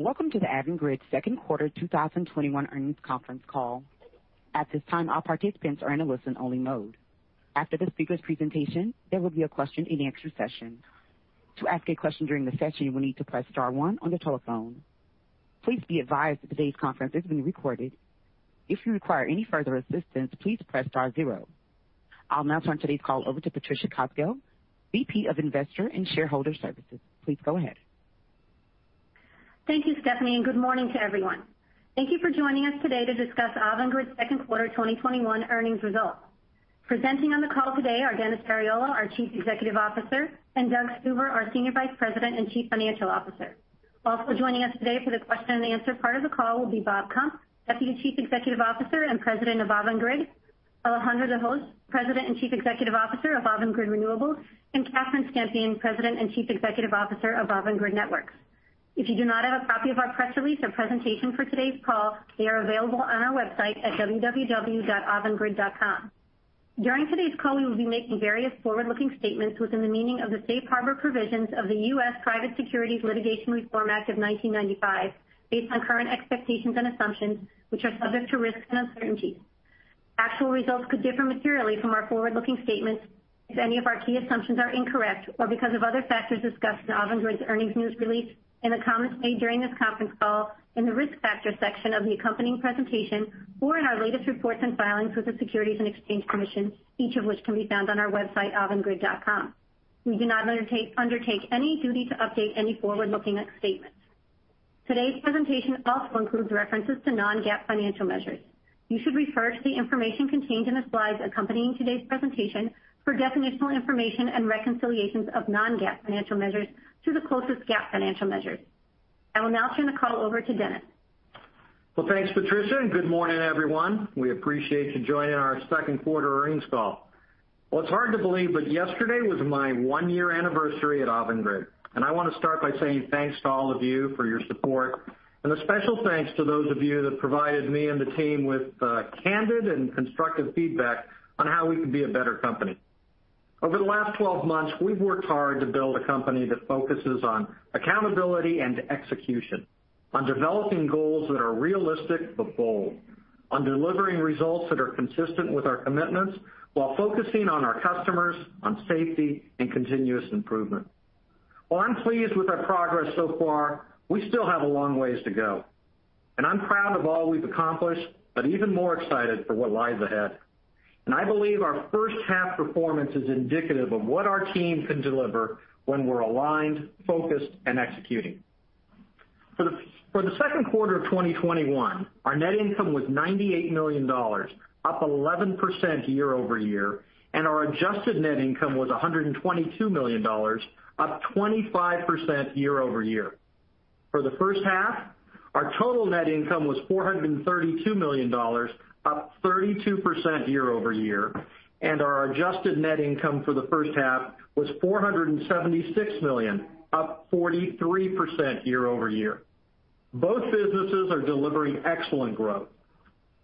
Welcome to the Avangrid second quarter 2021 earnings conference call. At this time, all participants are in a listen-only mode. After the speaker's presentation, there will be a question and answer session. To ask a question during the session, you will need to press star one on the telephone. Please be advised that today's conference is being recorded. If you require any further assistance, please press star zero. I'll now turn today's call over to Patricia Cosgel, VP of Investor and Shareholder Services. Please go ahead. Thank you, Stephanie, and good morning to everyone. Thank you for joining us today to discuss Avangrid's second quarter 2021 earnings results. Presenting on the call today are Dennis Arriola, our Chief Executive Officer, and Doug Stuver, our Senior Vice President and Chief Financial Officer. Also joining us today for the question and answer part of the call will be Bob Kump, Deputy Chief Executive Officer and President of Avangrid, Alejandro de Hoz, President and Chief Executive Officer of Avangrid Renewables, and Catherine Stempien, President and Chief Executive Officer of Avangrid Networks. If you do not have a copy of our press release or presentation for today's call, they are available on our website at www.avangrid.com. During today's call, we will be making various forward-looking statements within the meaning of the Safe Harbor provisions of the U.S. Private Securities Litigation Reform Act of 1995, based on current expectations and assumptions, which are subject to risks and uncertainties. Actual results could differ materially from our forward-looking statements if any of our key assumptions are incorrect, or because of other factors discussed in Avangrid's earnings news release, in the comments made during this conference call, in the Risk Factors section of the accompanying presentation, or in our latest reports and filings with the Securities and Exchange Commission, each of which can be found on our website, avangrid.com. We do not undertake any duty to update any forward-looking statements. Today's presentation also includes references to non-GAAP financial measures. You should refer to the information contained in the slides accompanying today's presentation for definitional information and reconciliations of non-GAAP financial measures to the closest GAAP financial measures. I will now turn the call over to Dennis. Well, thanks, Patricia. Good morning, everyone. We appreciate you joining our second quarter earnings call. Well, it's hard to believe, yesterday was my one-year anniversary at Avangrid. I want to start by saying thanks to all of you for your support, a special thanks to those of you that provided me and the team with candid and constructive feedback on how we can be a better company. Over the last 12 months, we've worked hard to build a company that focuses on accountability and execution, on developing goals that are realistic but bold, on delivering results that are consistent with our commitments while focusing on our customers, on safety and continuous improvement. While I'm pleased with our progress so far, we still have a long ways to go. I'm proud of all we've accomplished, even more excited for what lies ahead. I believe our first half performance is indicative of what our team can deliver when we're aligned, focused, and executing. For the second quarter of 2021, our net income was $98 million, up 11% year-over-year, and our adjusted net income was $122 million, up 25% year-over-year. For the first half, our total net income was $432 million, up 32% year-over-year, and our adjusted net income for the first half was $476 million, up 43% year-over-year. Both businesses are delivering excellent growth.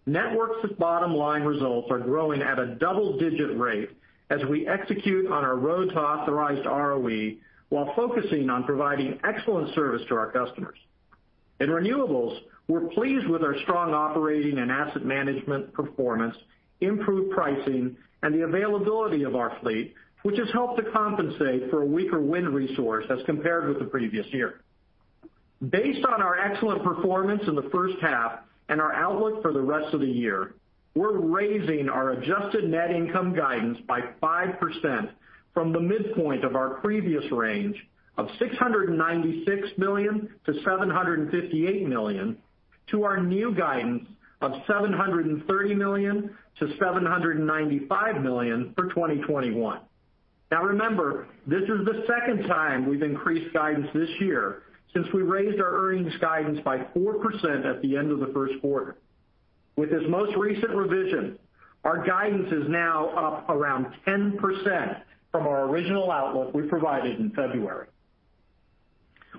Networks' bottom line results are growing at a double-digit rate as we execute on our road to authorized ROE while focusing on providing excellent service to our customers. In renewables, we're pleased with our strong operating and asset management performance, improved pricing, and the availability of our fleet, which has helped to compensate for a weaker wind resource as compared with the previous year. Based on our excellent performance in the first half and our outlook for the rest of the year, we're raising our adjusted net income guidance by 5% from the midpoint of our previous range of $696 million-$758 million to our new guidance of $730 million-$795 million for 2021. Now remember, this is the second time we've increased guidance this year since we raised our earnings guidance by 4% at the end of the first quarter. With this most recent revision, our guidance is now up around 10% from our original outlook we provided in February.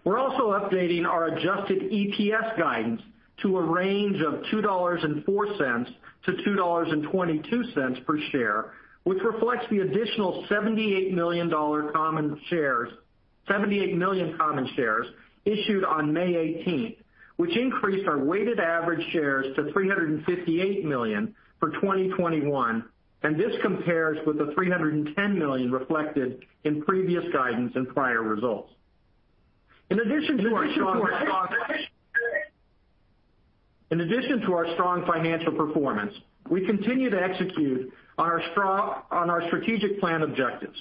We're also updating our Adjusted EPS guidance to a range of $2.04-$2.22 per share, which reflects the additional 78 million common shares issued on May 18th, which increased our weighted average shares to $358 million for 2021, and this compares with the $310 million reflected in previous guidance and prior results. In addition to our strong financial performance, we continue to execute on our strategic plan objectives.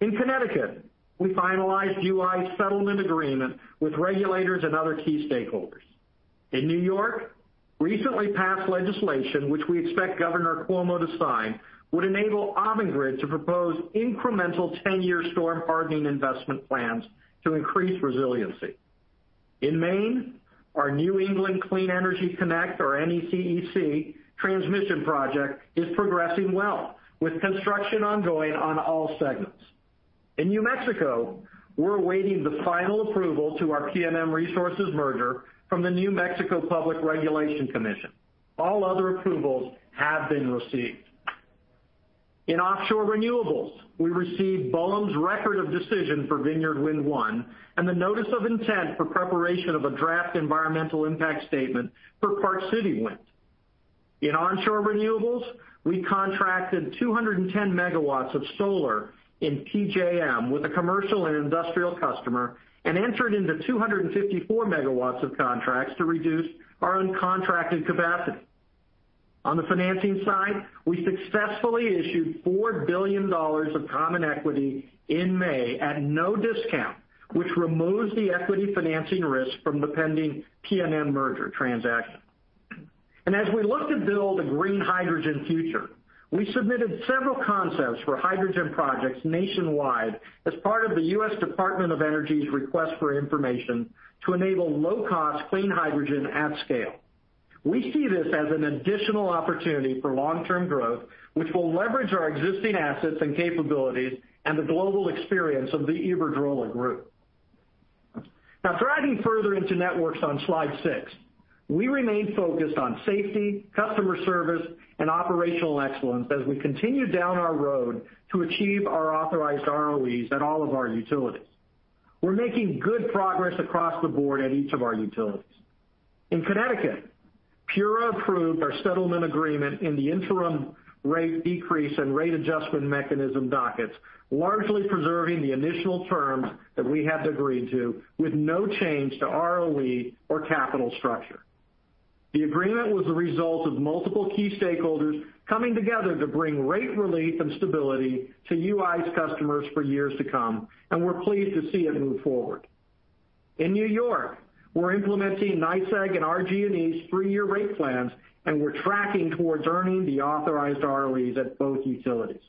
In Connecticut, we finalized UI's settlement agreement with regulators and other key stakeholders. In New York, recently passed legislation, which we expect Governor Cuomo to sign, would enable Avangrid to propose incremental 10-year storm hardening investment plans to increase resiliency. In Maine, our New England Clean Energy Connect, or NECEC, transmission project is progressing well, with construction ongoing on all segments. In New Mexico, we're awaiting the final approval to our PNM Resources merger from the New Mexico Public Regulation Commission. All other approvals have been received. In offshore renewables, we received BOEM's Record of Decision for Vineyard Wind 1, and the notice of intent for preparation of a draft environmental impact statement for Park City Wind. In onshore renewables, we contracted 210 MW of solar in PJM with a commercial and industrial customer, and entered into 254 MW of contracts to reduce our uncontracted capacity. On the financing side, we successfully issued $4 billion of common equity in May at no discount, which removes the equity financing risk from the pending PNM merger transaction. As we look to build a green hydrogen future, we submitted several concepts for hydrogen projects nationwide as part of the U.S. Department of Energy's Request for Information to enable low-cost clean hydrogen at scale. We see this as an additional opportunity for long-term growth, which will leverage our existing assets and capabilities and the global experience of the Iberdrola Group. Diving further into Avangrid Networks on Slide 6, we remain focused on safety, customer service, and operational excellence as we continue down our road to achieve our authorized ROEs at all of our utilities. We're making good progress across the board at each of our utilities. In Connecticut, PURA approved our settlement agreement in the interim rate decrease and rate adjustment mechanism dockets, largely preserving the initial terms that we had agreed to with no change to ROE or capital structure. The agreement was the result of multiple key stakeholders coming together to bring rate relief and stability to UI's customers for years to come, we're pleased to see it move forward. In New York, we're implementing NYSEG and RG&E's three-year rate plans, we're tracking towards earning the authorized ROEs at both utilities.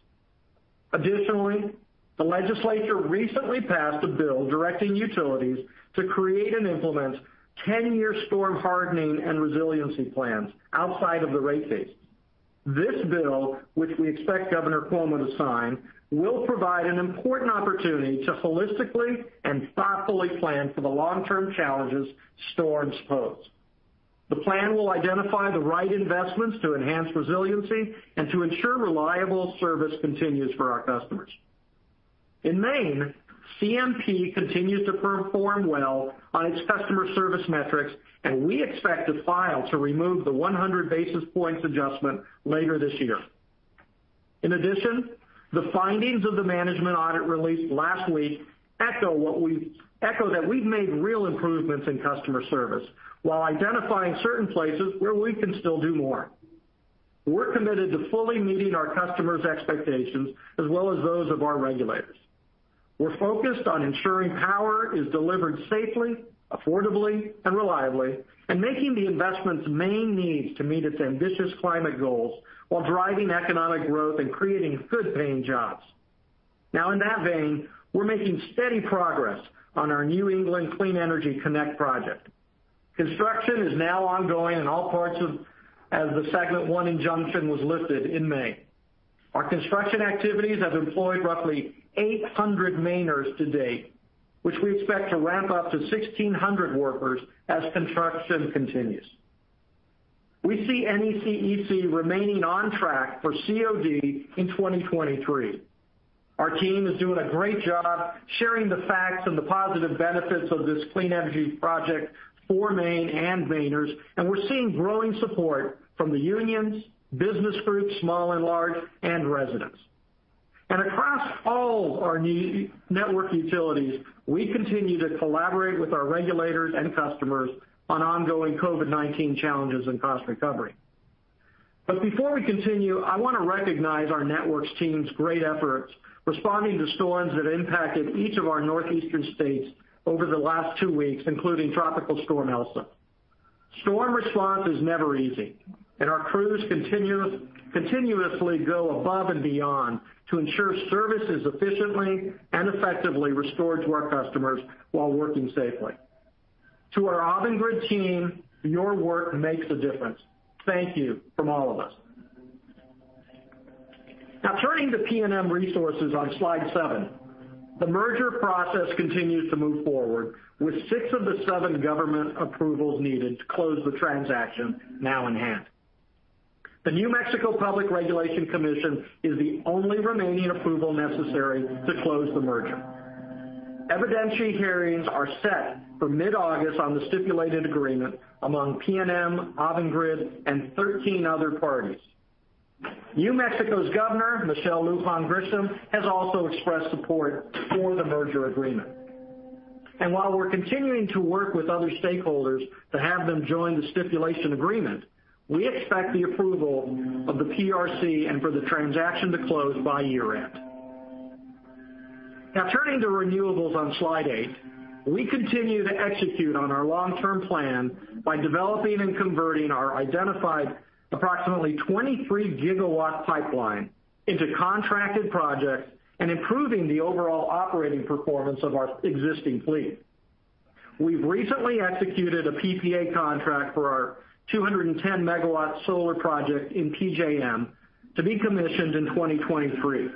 Additionally, the legislature recently passed a bill directing utilities to create and implement 10-year storm hardening and resiliency plans outside of the rate case. This bill, which we expect Governor Cuomo to sign, will provide an important opportunity to holistically and thoughtfully plan for the long-term challenges storms pose. The plan will identify the right investments to enhance resiliency and to ensure reliable service continues for our customers. In Maine, CMP continues to perform well on its customer service metrics, we expect to file to remove the 100 basis points adjustment later this year. In addition, the findings of the management audit released last week echo that we've made real improvements in customer service while identifying certain places where we can still do more. We're committed to fully meeting our customers' expectations as well as those of our regulators. We're focused on ensuring power is delivered safely, affordably, and reliably, and making the investments Maine needs to meet its ambitious climate goals while driving economic growth and creating good-paying jobs. In that vein, we're making steady progress on our New England Clean Energy Connect project. Construction is now ongoing in all parts as the segment one injunction was lifted in May. Our construction activities have employed roughly 800 Mainers to-date, which we expect to ramp up to 1,600 workers as construction continues. We see NECEC remaining on track for COD in 2023. Our team is doing a great job sharing the facts and the positive benefits of this clean energy project for Maine and Mainers. We're seeing growing support from the unions, business groups, small and large, and residents. Across all our network utilities, we continue to collaborate with our regulators and customers on ongoing COVID-19 challenges and cost recovery. Before we continue, I want to recognize our networks team's great efforts responding to storms that impacted each of our northeastern states over the last two weeks, including Tropical Storm Elsa. Storm response is never easy, and our crews continuously go above and beyond to ensure service is efficiently and effectively restored to our customers while working safely. To our Avangrid team, your work makes a difference. Thank you from all of us. Turning to PNM Resources on Slide 7, the merger process continues to move forward with six of the seven government approvals needed to close the transaction now in hand. The New Mexico Public Regulation Commission is the only remaining approval necessary to close the merger. Evidentiary hearings are set for mid-August on the stipulated agreement among PNM, Avangrid, and 13 other parties. New Mexico's governor, Michelle Lujan Grisham, has also expressed support for the merger agreement. While we're continuing to work with other stakeholders to have them join the stipulation agreement, we expect the approval of the PRC and for the transaction to close by year-end. Turning to renewables on Slide 8, we continue to execute on our long-term plan by developing and converting our identified approximately 23 GW pipeline into contracted projects and improving the overall operating performance of our existing fleet. We've recently executed a PPA contract for our 210-MW solar project in PJM to be commissioned in 2023.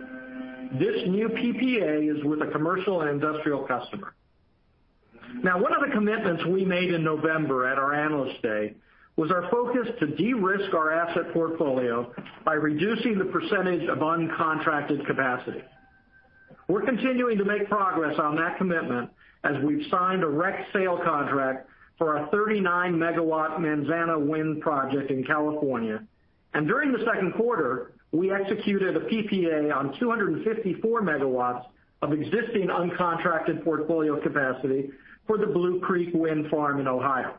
This new PPA is with a commercial and industrial customer. One of the commitments we made in November at our Analyst Day was our focus to de-risk our asset portfolio by reducing the percentage of uncontracted capacity. We're continuing to make progress on that commitment as we've signed a REC sale contract for our 39-MW Manzana Wind project in California, and during the second quarter, we executed a PPA on 254 MW of existing uncontracted portfolio capacity for the Blue Creek Wind Farm in Ohio.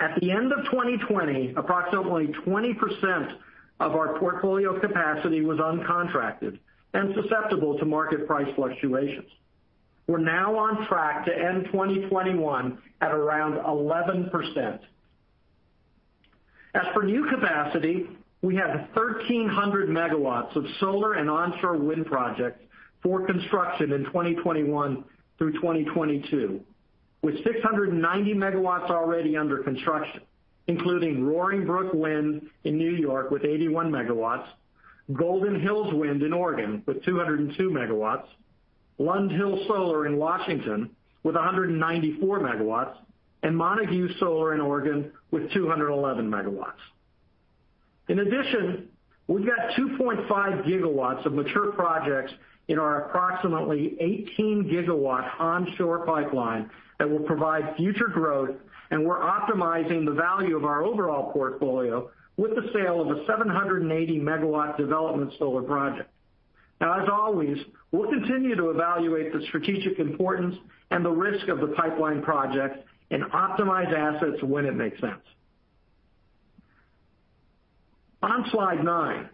At the end of 2020, approximately 20% of our portfolio capacity was uncontracted and susceptible to market price fluctuations. We're now on track to end 2021 at around 11%. As for new capacity, we have 1,300 MW of solar and onshore wind projects for construction in 2021-2022, with 690 MW already under construction, including Roaring Brook Wind in N.Y. with 81 MW, Golden Hills Wind in Oregon with 202 MW, Lund Hill Solar in Washington with 194 MW, and Montague Solar in Oregon with 211 MW. We've got 2.5 GW of mature projects in our approximately 18 GW onshore pipeline that will provide future growth, and we're optimizing the value of our overall portfolio with the sale of a 780 MW development solar project. As always, we'll continue to evaluate the strategic importance and the risk of the pipeline projects and optimize assets when it makes sense. On Slide 9,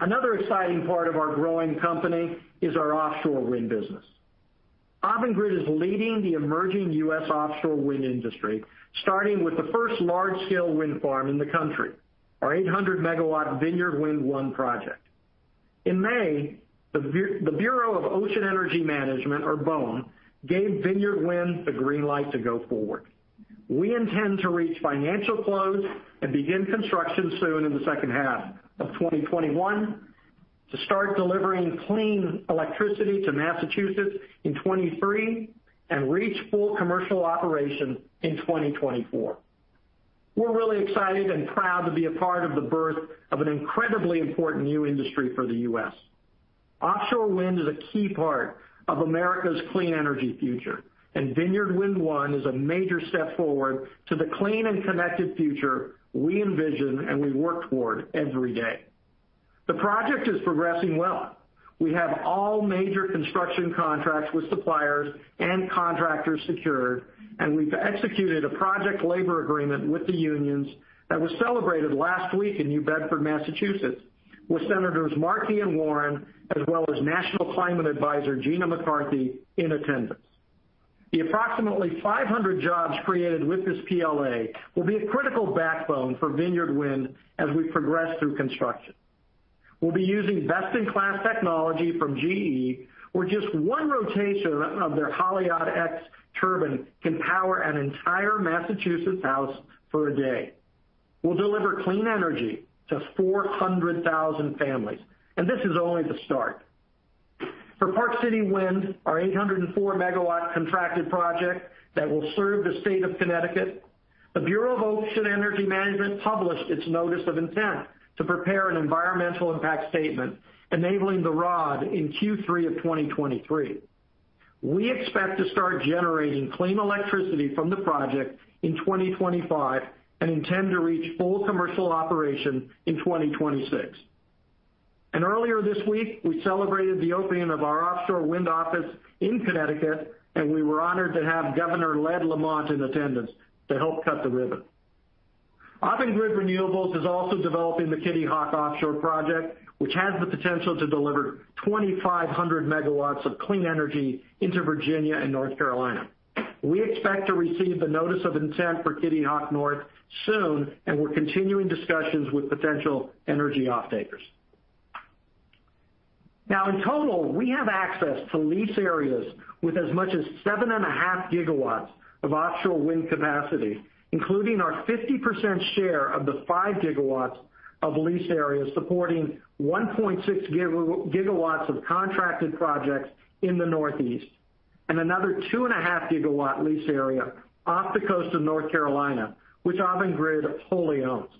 another exciting part of our growing company is our offshore wind business. Avangrid is leading the emerging U.S. offshore wind industry, starting with the first large-scale wind farm in the country, our 800-MW Vineyard Wind 1 project. In May, the Bureau of Ocean Energy Management, or BOEM, gave Vineyard Wind the green light to go forward. We intend to reach financial close and begin construction soon in the second half of 2021 to start delivering clean electricity to Massachusetts in 2023 and reach full commercial operation in 2024. We're really excited and proud to be a part of the birth of an incredibly important new industry for the U.S. Offshore wind is a key part of America's clean energy future, and Vineyard Wind 1 is a major step forward to the clean and connected future we envision and we work toward every day. The project is progressing well. We have all major construction contracts with suppliers and contractors secured. We've executed a project labor agreement with the unions that was celebrated last week in New Bedford, Massachusetts, with Senators Markey and Warren, as well as National Climate Advisor Gina McCarthy, in attendance. The approximately 500 jobs created with this PLA will be a critical backbone for Vineyard Wind as we progress through construction. We'll be using best-in-class technology from GE, where just one rotation of their Haliade-X turbine can power an entire Massachusetts house for a day. We'll deliver clean energy to 400,000 families. This is only the start. For Park City Wind, our 804-MW contracted project that will serve the state of Connecticut, the Bureau of Ocean Energy Management published its Notice of Intent to prepare an environmental impact statement enabling the ROD in Q3 of 2023. We expect to start generating clean electricity from the project in 2025 and intend to reach full commercial operation in 2026. Earlier this week, we celebrated the opening of our offshore wind office in Connecticut, and we were honored to have Governor Ned Lamont in attendance to help cut the ribbon. Avangrid Renewables is also developing the Kitty Hawk offshore project, which has the potential to deliver 2,500 MW of clean energy into Virginia and North Carolina. We expect to receive a Notice of Intent for Kitty Hawk North soon, and we're continuing discussions with potential energy off-takers. In total, we have access to lease areas with as much as 7.5 GW of offshore wind capacity, including our 50% share of the 5 GW of leased areas supporting 1.6 GW of contracted projects in the Northeast, and another 2.5 GW lease area off the coast of North Carolina, which Avangrid wholly owns.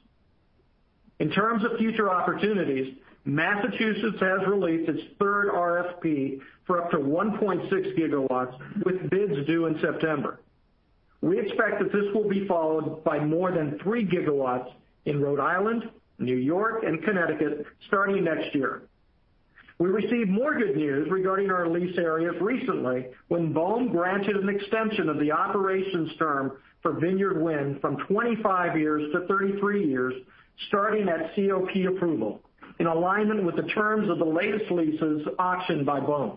In terms of future opportunities, Massachusetts has released its third RFP for up to 1.6 GW, with bids due in September. We expect that this will be followed by more than 3 GW in Rhode Island, New York, and Connecticut starting next year. We received more good news regarding our lease areas recently when BOEM granted an extension of the operations term for Vineyard Wind from 25 years to 33 years, starting at COP approval, in alignment with the terms of the latest leases auctioned by BOEM.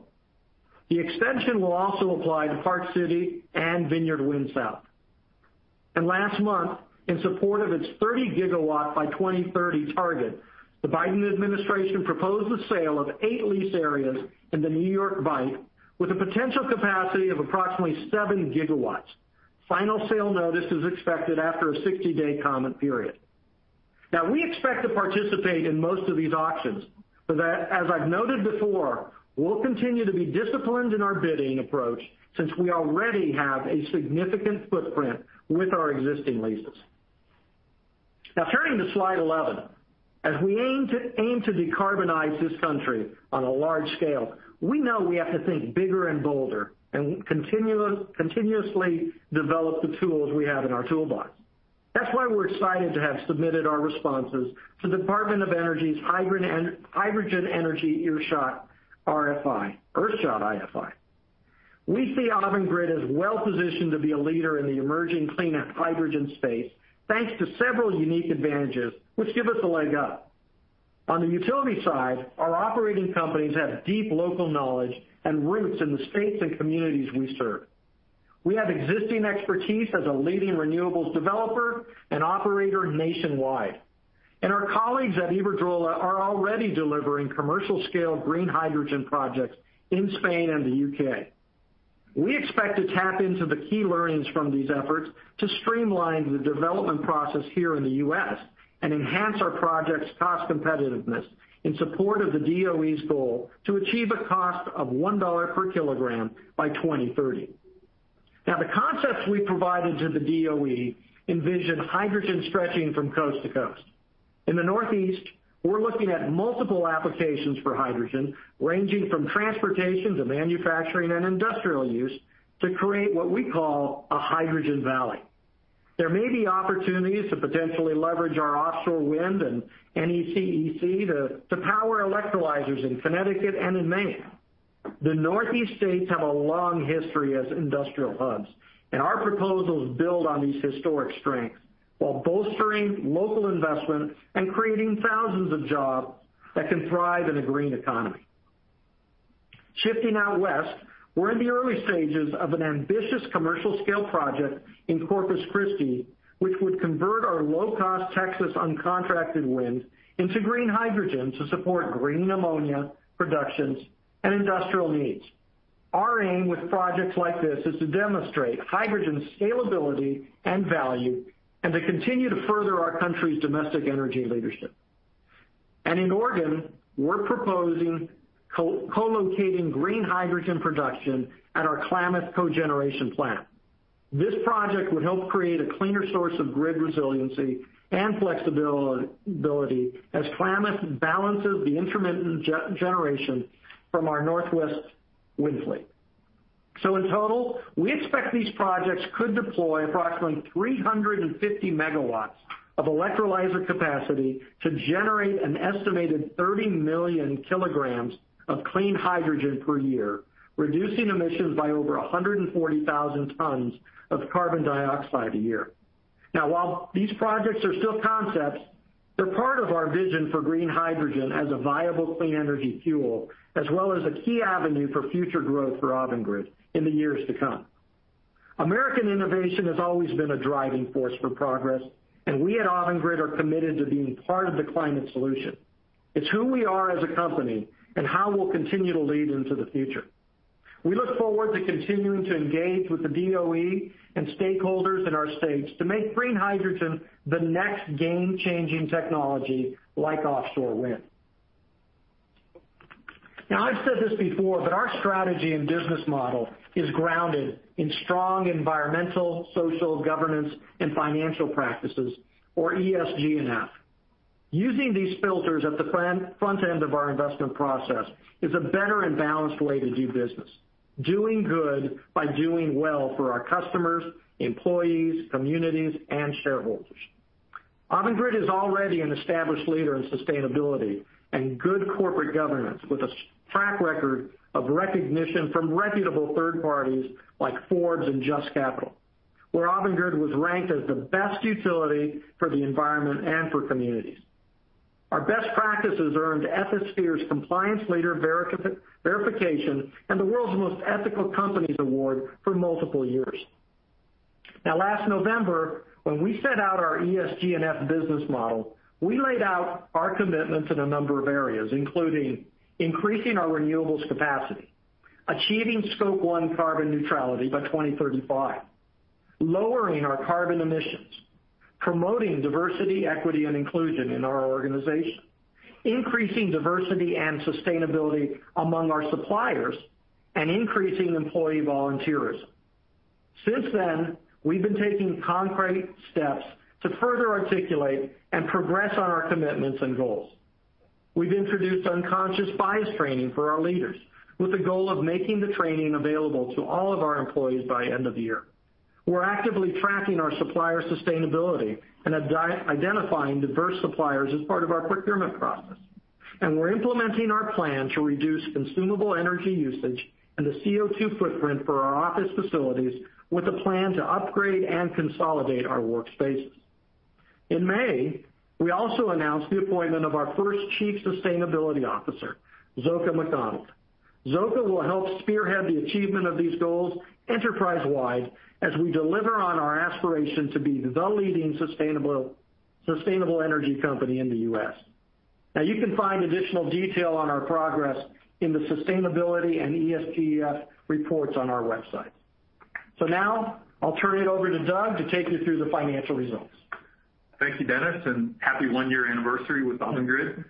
The extension will also apply to Park City Wind and Vineyard Wind South. Last month, in support of its 30 GW by 2030 target, the Biden administration proposed the sale of eight lease areas in the New York Bight with a potential capacity of approximately 7 GW. Final sale notice is expected after a 60-day comment period. We expect to participate in most of these auctions, but as I've noted before, we'll continue to be disciplined in our bidding approach since we already have a significant footprint with our existing leases. Turning to Slide 11. As we aim to decarbonize this country on a large scale, we know we have to think bigger and bolder, and continuously develop the tools we have in our toolbox. That's why we're excited to have submitted our responses to the U.S. Department of Energy's Hydrogen Energy Earthshot RFI. We see Avangrid as well-positioned to be a leader in the emerging clean hydrogen space thanks to several unique advantages, which give us a leg up. On the utility side, our operating companies have deep local knowledge and roots in the states and communities we serve. We have existing expertise as a leading renewables developer and operator nationwide. Our colleagues at Iberdrola are already delivering commercial-scale green hydrogen projects in Spain and the U.K. We expect to tap into the key learnings from these efforts to streamline the development process here in the U.S. and enhance our project's cost competitiveness in support of the DOE's goal to achieve a cost of $1 per kilogram by 2030. The concepts we provided to the DOE envision hydrogen stretching from coast to coast. In the Northeast, we're looking at multiple applications for hydrogen, ranging from transportation to manufacturing and industrial use, to create what we call a hydrogen valley. There may be opportunities to potentially leverage our offshore wind and NECEC to power electrolyzers in Connecticut and in Maine. The Northeast states have a long history as industrial hubs, and our proposals build on these historic strengths while bolstering local investment and creating thousands of jobs that can thrive in a green economy. Shifting out west, we're in the early stages of an ambitious commercial-scale project in Corpus Christi, which would convert our low-cost Texas uncontracted wind into green hydrogen to support green ammonia productions and industrial needs. Our aim with projects like this is to demonstrate hydrogen scalability and value, and to continue to further our country's domestic energy leadership. In Oregon, we're proposing co-locating green hydrogen production at our Klamath Cogeneration plant. This project would help create a cleaner source of grid resiliency and flexibility as Klamath balances the intermittent generation from our Northwest wind fleet. In total, we expect these projects could deploy approximately 350 MW of electrolyzer capacity to generate an estimated 30 million kilograms of clean hydrogen per year, reducing emissions by over 140,000 tons of carbon dioxide a year. While these projects are still concepts, they're part of our vision for green hydrogen as a viable clean energy fuel, as well as a key avenue for future growth for Avangrid in the years to come. American innovation has always been a driving force for progress, and we at Avangrid are committed to being part of the climate solution. It's who we are as a company and how we'll continue to lead into the future. We look forward to continuing to engage with the DOE and stakeholders in our states to make green hydrogen the next game-changing technology like offshore wind. Now, I've said this before, but our strategy and business model is grounded in strong environmental, social, governance, and financial practices, or ESG+F. Using these filters at the front end of our investment process is a better and balanced way to do business, doing good by doing well for our customers, employees, communities, and shareholders. Avangrid is already an established leader in sustainability and good corporate governance with a track record of recognition from reputable third parties like Forbes and JUST Capital, where Avangrid was ranked as the best utility for the environment and for communities. Our best practices earned Ethisphere's Compliance Leader Verification and the World's Most Ethical Companies award for multiple years. Last November, when we set out our ESG+F business model, we laid out our commitment to a number of areas, including increasing our renewables capacity, achieving Scope 1 carbon neutrality by 2035, lowering our carbon emissions, promoting diversity, equity, and inclusion in our organization, increasing diversity and sustainability among our suppliers, and increasing employee volunteerism. Since then, we've been taking concrete steps to further articulate and progress on our commitments and goals. We've introduced unconscious bias training for our leaders with a goal of making the training available to all of our employees by end of the year. We're actively tracking our supplier sustainability and identifying diverse suppliers as part of our procurement process. We're implementing our plan to reduce consumable energy usage and the CO2 footprint for our office facilities with a plan to upgrade and consolidate our workspaces. In May, we also announced the appointment of our first Chief Sustainability Officer, Zsoka McDonald. Zsoka will help spearhead the achievement of these goals enterprise-wide as we deliver on our aspiration to be the leading sustainable energy company in the U.S. Now, you can find additional detail on our progress in the sustainability and ESG+F reports on our website. Now I'll turn it over to Doug to take you through the financial results. Thank you, Dennis, and happy one-year anniversary with Avangrid.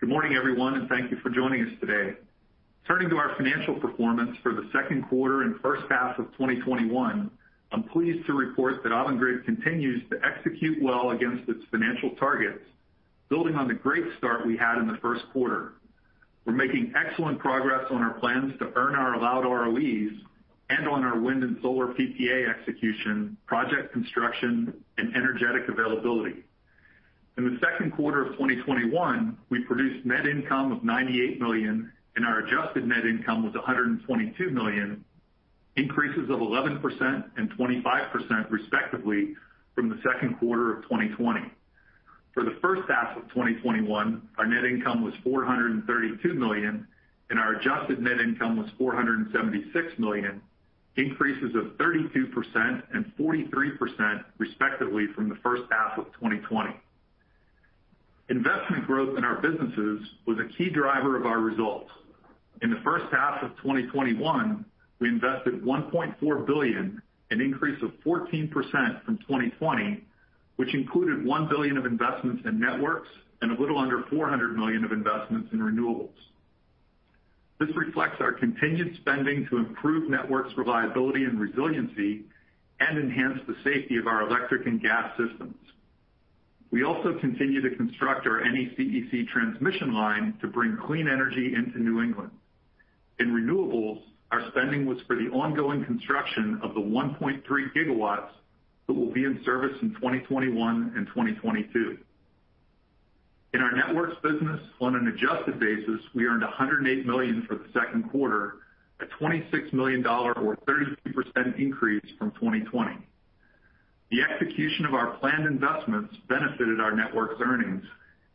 Good morning, everyone, and thank you for joining us today. Turning to our financial performance for the second quarter and first half of 2021, I'm pleased to report that Avangrid continues to execute well against its financial targets, building on the great start we had in the first quarter. We're making excellent progress on our plans to earn our allowed ROEs and on our wind and solar PPA execution, project construction, and energetic availability. In the second quarter of 2021, we produced net income of $98 million, and our adjusted net income was $122 million, increases of 11% and 25%, respectively, from the second quarter of 2020. For the first half of 2021, our net income was $432 million, and our adjusted net income was $476 million, increases of 32% and 43%, respectively, from the first half of 2020. Investment growth in our businesses was a key driver of our results. In the first half of 2021, we invested $1.4 billion, an increase of 14% from 2020, which included $1 billion of investments in Networks and a little under $400 million of investments in Renewables. This reflects our contingent spending to improve Networks' reliability and resiliency and enhance the safety of our electric and gas systems. We also continue to construct our NECEC transmission line to bring clean energy into New England. In Renewables, our spending was for the ongoing construction of the 1.3 GW that will be in service in 2021 and 2022. In our Networks business on an adjusted basis, we earned $108 million for the second quarter, a $26 million or 32% increase from 2020. The execution of our planned investments benefited our Networks earnings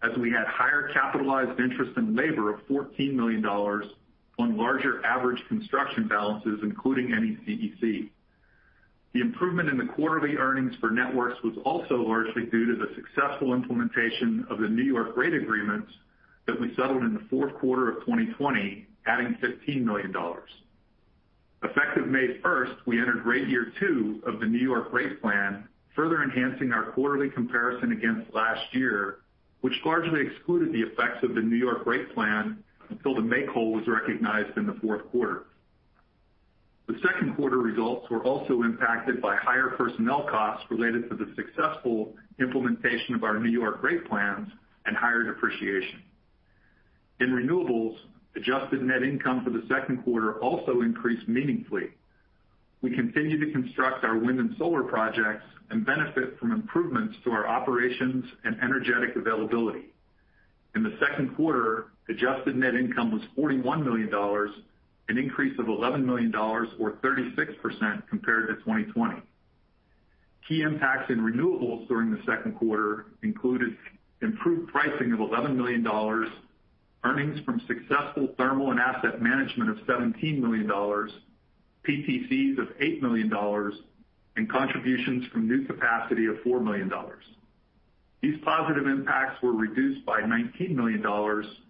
as we had higher capitalized interest in labor of $14 million on larger average construction balances, including NECEC. The improvement in the quarterly earnings for Networks was also largely due to the successful implementation of the New York rate agreements that we settled in the fourth quarter of 2020, adding $15 million. Effective May first, we entered rate year two of the New York rate plan, further enhancing our quarterly comparison against last year, which largely excluded the effects of the New York rate plan until the make-whole was recognized in the fourth quarter. The second quarter results were also impacted by higher personnel costs related to the successful implementation of our New York rate plans and higher depreciation. In Renewables, adjusted net income for the second quarter also increased meaningfully. We continue to construct our wind and solar projects and benefit from improvements to our operations and energetic availability. In the second quarter, adjusted net income was $41 million, an increase of $11 million or 36% compared to 2020. Key impacts in renewables during the second quarter included improved pricing of $11 million, earnings from successful thermal and asset management of $17 million, PTCs of $8 million, and contributions from new capacity of $4 million. These positive impacts were reduced by $19 million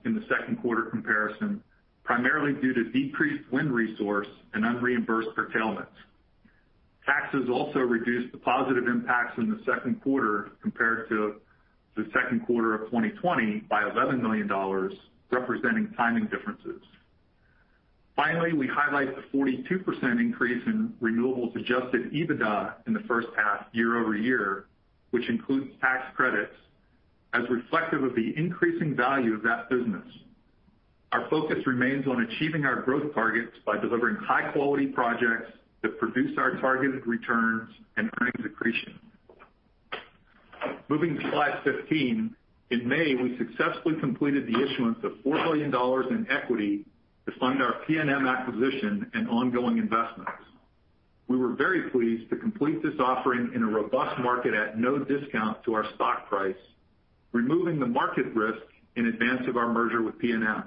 in the second quarter comparison, primarily due to decreased wind resource and unreimbursed curtailment. Taxes also reduced the positive impacts in the second quarter compared to the second quarter of 2020 by $11 million, representing timing differences. Finally, we highlight the 42% increase in renewables Adjusted EBITDA in the first half year-over-year, which includes tax credits as reflective of the increasing value of that business. Our focus remains on achieving our growth targets by delivering high-quality projects that produce our targeted returns and earnings accretion. Moving to Slide 15. In May, we successfully completed the issuance of $4 billion in equity to fund our PNM acquisition and ongoing investments. We were very pleased to complete this offering in a robust market at no discount to our stock price, removing the market risk in advance of our merger with PNM.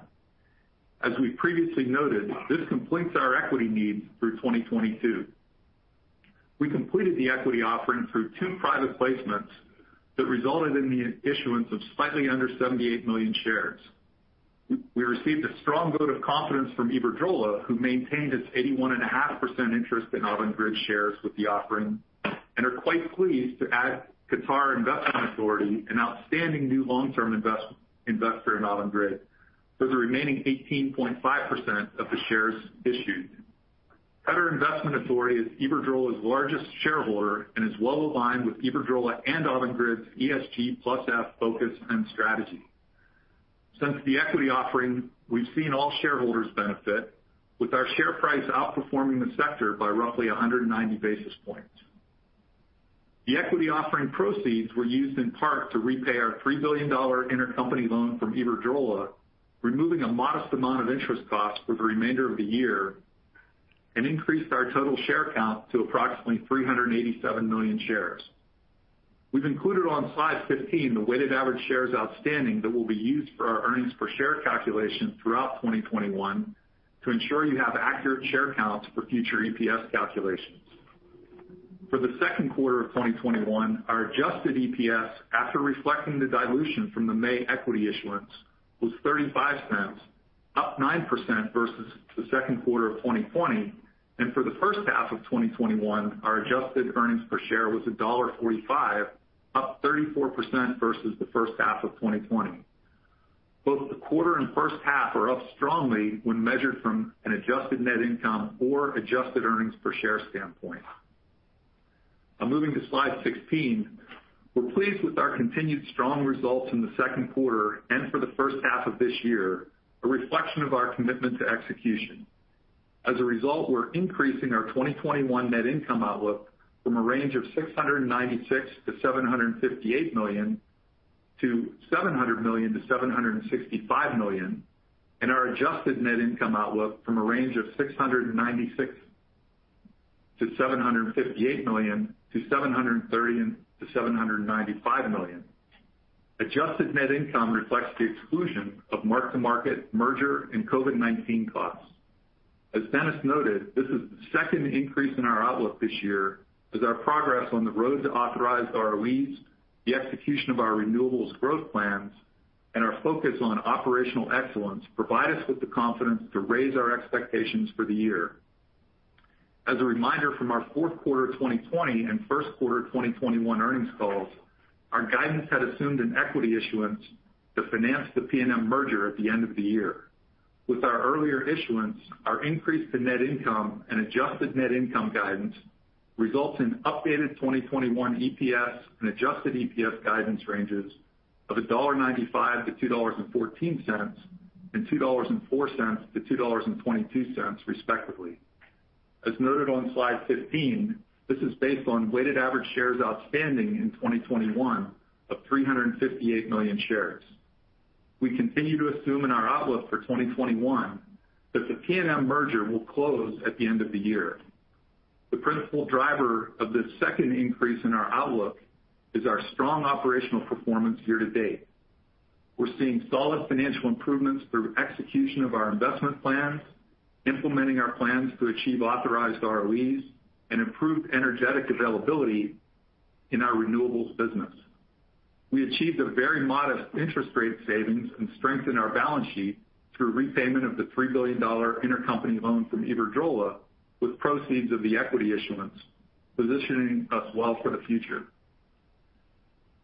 As we previously noted, this completes our equity needs through 2022. We completed the equity offering through two private placements that resulted in the issuance of slightly under 78 million shares. We received a strong vote of confidence from Iberdrola, who maintained its 81.5% interest in Avangrid shares with the offering and are quite pleased to add Qatar Investment Authority, an outstanding new long-term investor in Avangrid, for the remaining 18.5% of the shares issued. Qatar Investment Authority is Iberdrola's largest shareholder and is well aligned with Iberdrola and Avangrid's ESG+F focus and strategy. Since the equity offering, we've seen all shareholders benefit, with our share price outperforming the sector by roughly 190 basis points. The equity offering proceeds were used in part to repay our $3 billion intercompany loan from Iberdrola, removing a modest amount of interest costs for the remainder of the year, and increased our total share count to approximately 387 million shares. We've included on Slide 15 the weighted average shares outstanding that will be used for our earnings per share calculation throughout 2021 to ensure you have accurate share counts for future EPS calculations. For the second quarter of 2021, our Adjusted EPS after reflecting the dilution from the May equity issuance was $0.35, up 9% versus the second quarter of 2020. For the first half of 2021, our adjusted earnings per share was $1.45, up 34% versus the first half of 2020. Both the quarter and first half are up strongly when measured from an adjusted net income or adjusted earnings per share standpoint. Now moving to Slide 16. We're pleased with our continued strong results in the second quarter and for the first half of this year, a reflection of our commitment to execution. As a result, we're increasing our 2021 net income outlook from a range of $696 million-$758 million to $700 million-$765 million, and our adjusted net income outlook from a range of $696 million-$758 million to $730 million-$795 million. Adjusted net income reflects the exclusion of mark-to-market merger and COVID-19 costs. As Dennis noted, this is the second increase in our outlook this year as our progress on the road to authorized ROEs, the execution of our renewables growth plans, and our focus on operational excellence provide us with the confidence to raise our expectations for the year. As a reminder from our fourth quarter 2020 and first quarter 2021 earnings calls, our guidance had assumed an equity issuance to finance the PNM merger at the end of the year. With our earlier issuance, our increase to net income and adjusted net income guidance results in updated 2021 EPS and Adjusted EPS guidance ranges of $1.95-$2.14, and $2.04-$2.22, respectively. As noted on Slide 15, this is based on weighted average shares outstanding in 2021 of 358 million shares. We continue to assume in our outlook for 2021 that the PNM merger will close at the end of the year. The principal driver of this second increase in our outlook is our strong operational performance year-to-date. We're seeing solid financial improvements through execution of our investment plans, implementing our plans to achieve authorized ROEs, and improved energetic availability in our renewables business. We achieved a very modest interest rate savings and strengthened our balance sheet through repayment of the $3 billion intercompany loan from Iberdrola with proceeds of the equity issuance, positioning us well for the future.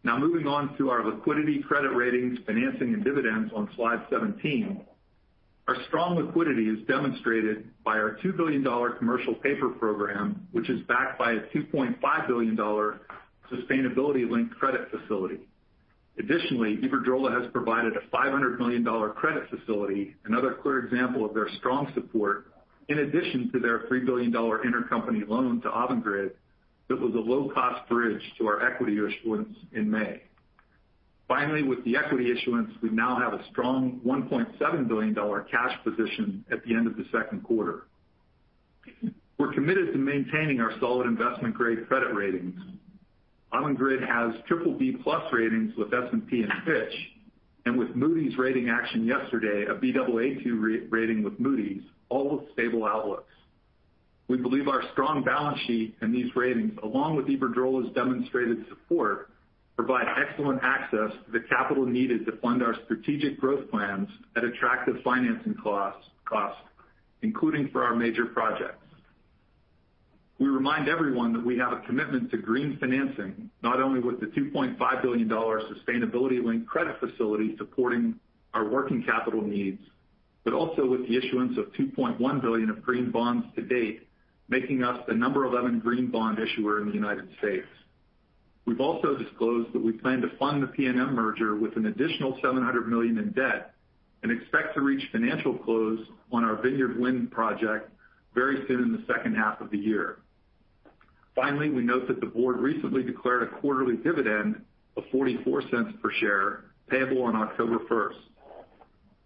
Now moving on to our liquidity, credit ratings, financing, and dividends on Slide 17. Our strong liquidity is demonstrated by our $2 billion commercial paper program, which is backed by a $2.5 billion sustainability-linked credit facility. Additionally, Iberdrola has provided a $500 million credit facility, another clear example of their strong support, in addition to their $3 billion intercompany loan to Avangrid that was a low-cost bridge to our equity issuance in May. Finally, with the equity issuance, we now have a strong $1.7 billion cash position at the end of the second quarter. We're committed to maintaining our solid investment-grade credit ratings. Avangrid has BBB+ ratings with S&P and Fitch, and with Moody's rating action yesterday, a Baa2 rating with Moody's, all with stable outlooks. We believe our strong balance sheet and these ratings, along with Iberdrola's demonstrated support, provide excellent access to the capital needed to fund our strategic growth plans at attractive financing costs, including for our major projects. We remind everyone that we have a commitment to green financing, not only with the $2.5 billion sustainability-linked credit facility supporting our working capital needs, but also with the issuance of $2.1 billion of green bonds to-date, making us the number 11 green bond issuer in the U.S. We've also disclosed that we plan to fund the PNM merger with an additional $700 million in debt and expect to reach financial close on our Vineyard Wind project very soon in the second half of the year. Finally, we note that the board recently declared a quarterly dividend of $0.44 per share, payable on October 1st.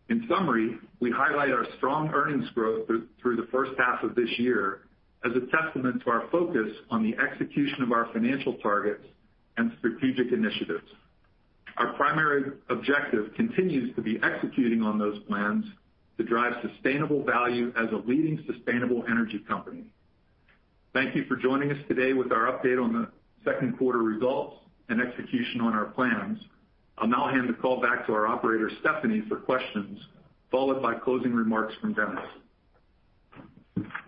In summary, we highlight our strong earnings growth through the first half of this year as a testament to our focus on the execution of our financial targets and strategic initiatives. Our primary objective continues to be executing on those plans to drive sustainable value as a leading sustainable energy company. Thank you for joining us today with our update on the second quarter results and execution on our plans. I'll now hand the call back to our operator, Stephanie, for questions, followed by closing remarks from Dennis.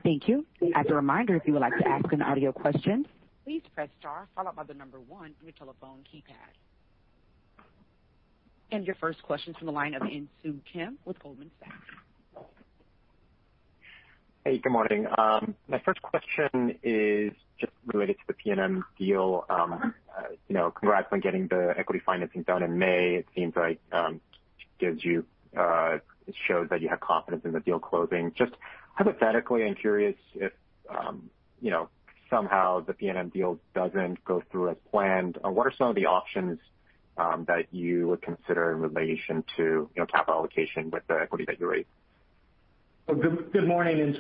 Thank you. As a reminder, if you would like to ask an audio question, please press star followed by the number one on your telephone keypad. Your first question's from the line of Insoo Kim with Goldman Sachs. Hey, good morning. My first question is just related to the PNM deal. Congrats on getting the equity financing done in May. It seems like it shows that you have confidence in the deal closing. Just hypothetically, I'm curious if somehow the PNM deal doesn't go through as planned, what are some of the options that you would consider in relation to capital allocation with the equity that you raised? Good morning.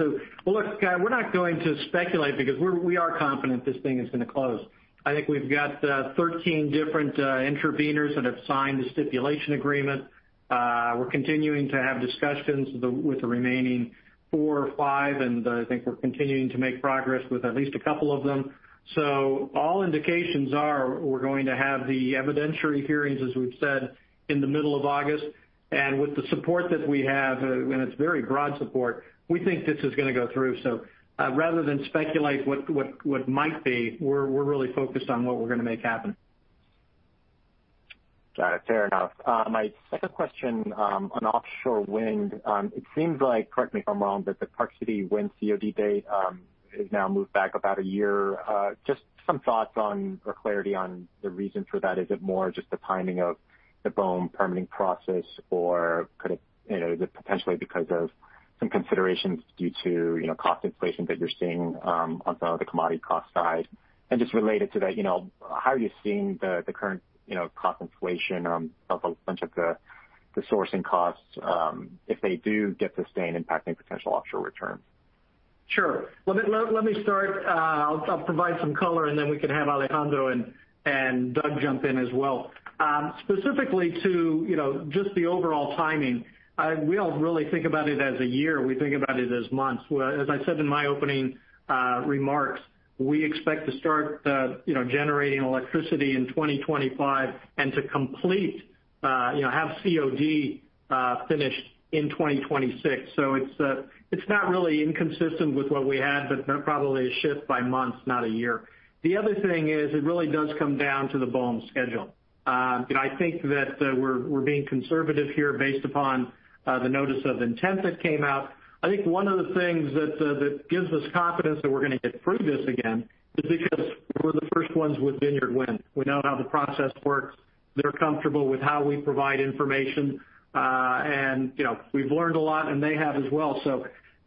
Look, we're not going to speculate because we are confident this thing is going to close. I think we've got 13 different interveners that have signed the stipulation agreement. We're continuing to have discussions with the remaining four or five, and I think we're continuing to make progress with at least a couple of them. All indications are we're going to have the evidentiary hearings, as we've said, in the middle of August. With the support that we have, and it's very broad support, we think this is going to go through. Rather than speculate what might be, we're really focused on what we're going to make happen. Got it. Fair enough. My second question, on offshore wind. It seems like, correct me if I'm wrong, but the Park City Wind COD date has now moved back about a year. Just some thoughts on or clarity on the reason for that. Is it more just the timing of the BOEM permitting process? Is it potentially because of some considerations due to cost inflation that you're seeing on some of the commodity cost side? Just related to that, how are you seeing the current cost inflation of a bunch of the sourcing costs, if they do get sustained, impacting potential offshore returns? Sure. Let me start. I'll provide some color, and then we can have Alejandro and Doug jump in as well. Specifically to just the overall timing, we don't really think about it as a year. We think about it as months. As I said in my opening remarks, we expect to start generating electricity in 2025 and to complete, have COD finished in 2026. It's not really inconsistent with what we had, but probably a shift by months, not a year. The other thing is, it really does come down to the BOEM's schedule. I think that we're being conservative here based upon the notice of intent that came out. I think one of the things that gives us confidence that we're going to get through this again, is because we're the first ones with Vineyard Wind. We know how the process works. They're comfortable with how we provide information. We've learned a lot, and they have as well.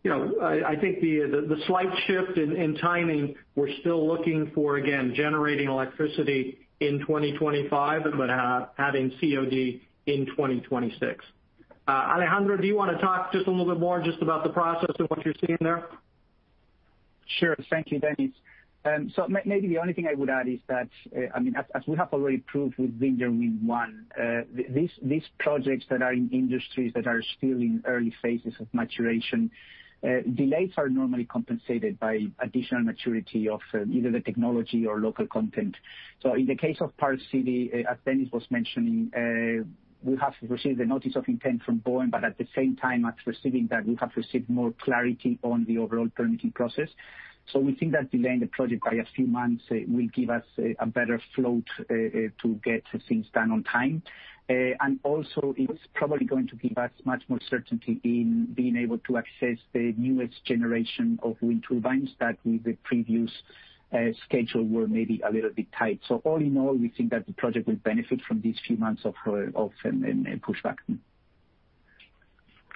I think the slight shift in timing, we're still looking for, again, generating electricity in 2025, but having COD in 2026. Alejandro, do you want to talk just a little bit more just about the process of what you're seeing there? Sure. Thank you, Dennis. Maybe the only thing I would add is that, as we have already proved with Vineyard Wind 1, these projects that are in industries that are still in early phases of maturation, delays are normally compensated by additional maturity of either the technology or local content. In the case of Park City, as Dennis was mentioning, we have received the notice of intent from BOEM, but at the same time as receiving that, we have received more clarity on the overall permitting process. We think that delaying the project by a few months will give us a better float to get things done on time. Also, it's probably going to give us much more certainty in being able to access the newest generation of wind turbines that with the previous schedule were maybe a little bit tight. All in all, we think that the project will benefit from these few months of pushback.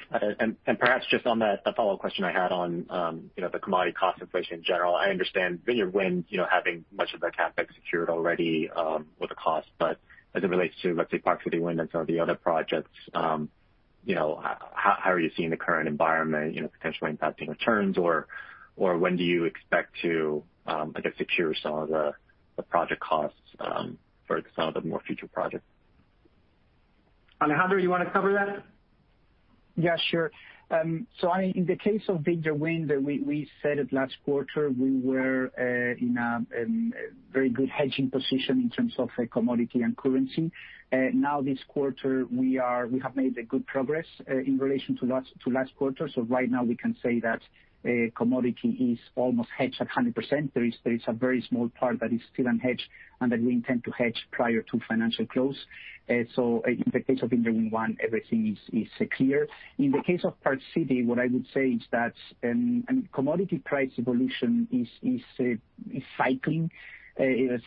Perhaps just on that, a follow-up question I had on the commodity cost inflation in general. I understand Vineyard Wind having much of the CapEx secured already with a cost, but as it relates to, let's say, Park City Wind and some of the other projects, how are you seeing the current environment potentially impacting returns or when do you expect to, I guess, secure some of the project costs for some of the more future projects? Alejandro, you want to cover that? Yeah, sure. In the case of Vineyard Wind, we said it last quarter, we were in a very good hedging position in terms of commodity and currency. Now this quarter, we have made good progress in relation to last quarter. Right now we can say that commodity is almost hedged 100%. There is a very small part that is still unhedged and that we intend to hedge prior to financial close. In the case of Vineyard Wind 1, everything is clear. In the case of Park City, what I would say is that commodity price evolution is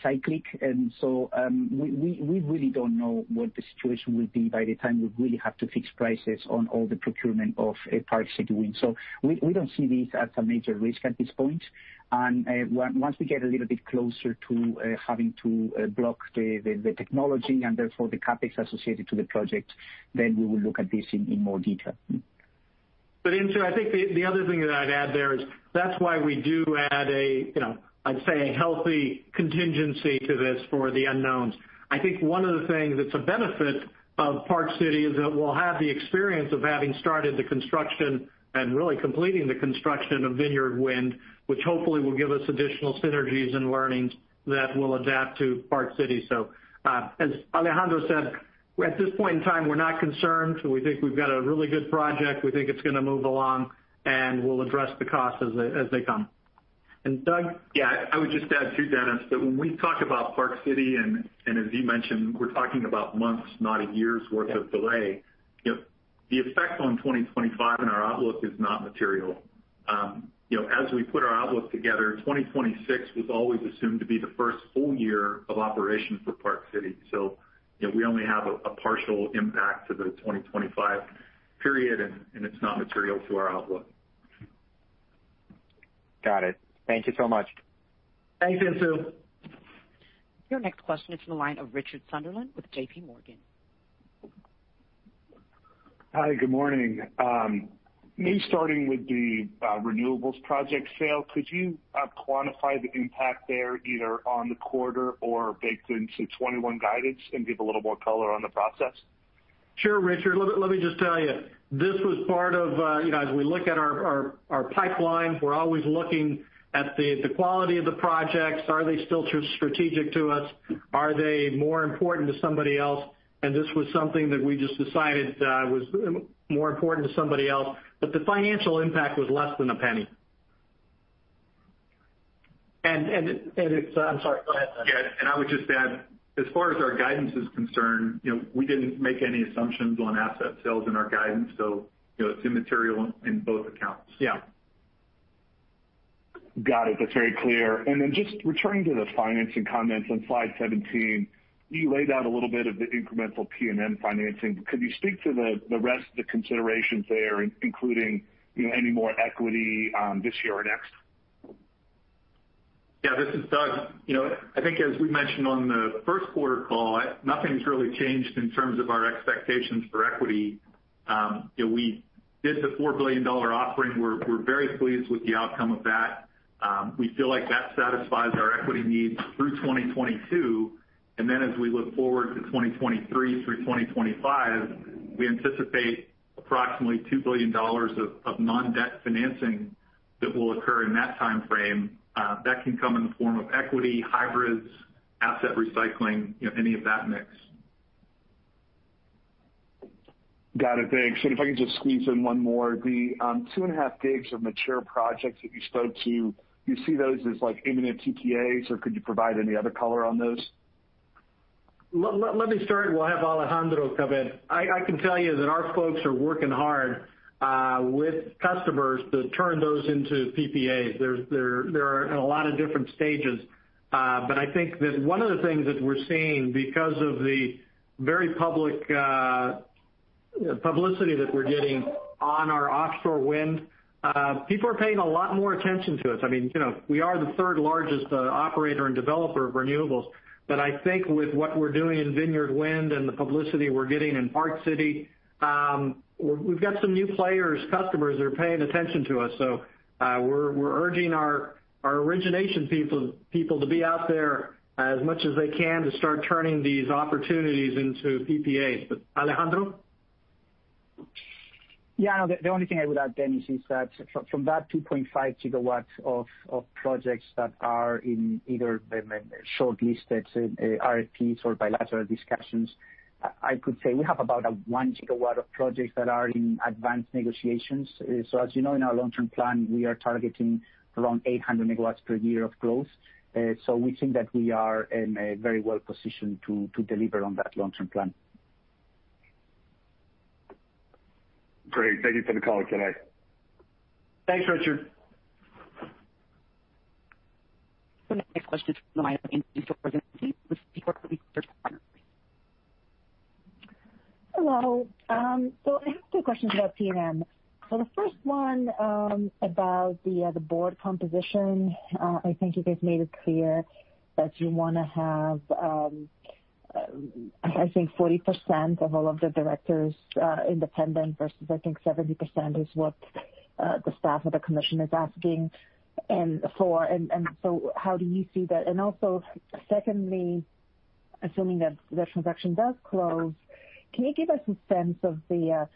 cyclic. We really don't know what the situation will be by the time we really have to fix prices on all the procurement of Park City Wind. We don't see this as a major risk at this point. Once we get a little bit closer to having to block the technology and therefore the CapEx associated to the project, then we will look at this in more detail. Insoo Kim, I think the other thing that I'd add there is that's why we do add a, I'd say a healthy contingency to this for the unknowns. I think one of the things that's a benefit of Park City is that we'll have the experience of having started the construction and really completing the construction of Vineyard Wind, which hopefully will give us additional synergies and learnings that we'll adapt to Park City. As Alejandro said, at this point in time, we're not concerned. We think we've got a really good project. We think it's going to move along, and we'll address the costs as they come. Doug? I would just add, too, Dennis, that when we talk about Park City, and as you mentioned, we're talking about months, not a year's worth of delay. The effect on 2025 and our outlook is not material. As we put our outlook together, 2026 was always assumed to be the first full year of operation for Park City. We only have a partial impact to the 2025 period, and it's not material to our outlook. Got it. Thank you so much. Thanks, Insoo. Your next question is from the line of Richard Sunderland with JPMorgan. Hi, good morning. Maybe starting with the renewables project sale, could you quantify the impact there, either on the quarter or baked into 2021 guidance and give a little more color on the process? Sure, Richard. Let me just tell you, as we look at our pipeline, we're always looking at the quality of the projects. Are they still strategic to us? Are they more important to somebody else? This was something that we just decided was more important to somebody else, but the financial impact was less than $0.01. I'm sorry, go ahead, Doug. Yeah, I would just add, as far as our guidance is concerned, we didn't make any assumptions on asset sales in our guidance. It's immaterial in both accounts. Yeah. Got it. That's very clear. Just returning to the financing comments on Slide 17, you laid out a little bit of the incremental PNM financing. Could you speak to the rest of the considerations there, including any more equity this year or next? Yeah, this is Doug. I think as we mentioned on the first quarter call, nothing's really changed in terms of our expectations for equity. We did the $4 billion offering. We're very pleased with the outcome of that. We feel like that satisfies our equity needs through 2022, and then as we look forward to 2023 through 2025, we anticipate approximately $2 billion of non-debt financing that will occur in that timeframe. That can come in the form of equity, hybrids, asset recycling, any of that mix. Got it. Thanks. If I could just squeeze in one more, the 2.5 GW of mature projects that you spoke to, do you see those as like imminent PPAs, or could you provide any other color on those? Let me start, and we'll have Alejandro come in. I can tell you that our folks are working hard with customers to turn those into PPAs. They're in a lot of different stages. I think that one of the things that we're seeing, because of the publicity that we're getting on our offshore wind, people are paying a lot more attention to us. We are the third-largest operator and developer of renewables. I think with what we're doing in Vineyard Wind and the publicity we're getting in Park City, we've got some new players, customers that are paying attention to us. We're urging our origination people to be out there as much as they can to start turning these opportunities into PPAs. Alejandro? Yeah, the only thing I would add, Dennis, is that from that 2.5 GW of projects that are in either shortlists, RFPs, or bilateral discussions, I could say we have about 1 GW of projects that are in advanced negotiations. As you know, in our long-term plan, we are targeting around 800 MW per year of growth. We think that we are very well-positioned to deliver on that long-term plan. Great. Thank you for the call today. Thanks, Richard. The next question is from the line of Angie with B. Riley Research. Hello. I have two questions about PNM. The first one, about the board composition. I think you guys made it clear that you want to have, I think, 40% of all of the directors independent versus, I think 70% is what the staff of the commission is asking for. How do you see that? Secondly, assuming that the transaction does close, can you give us a sense of the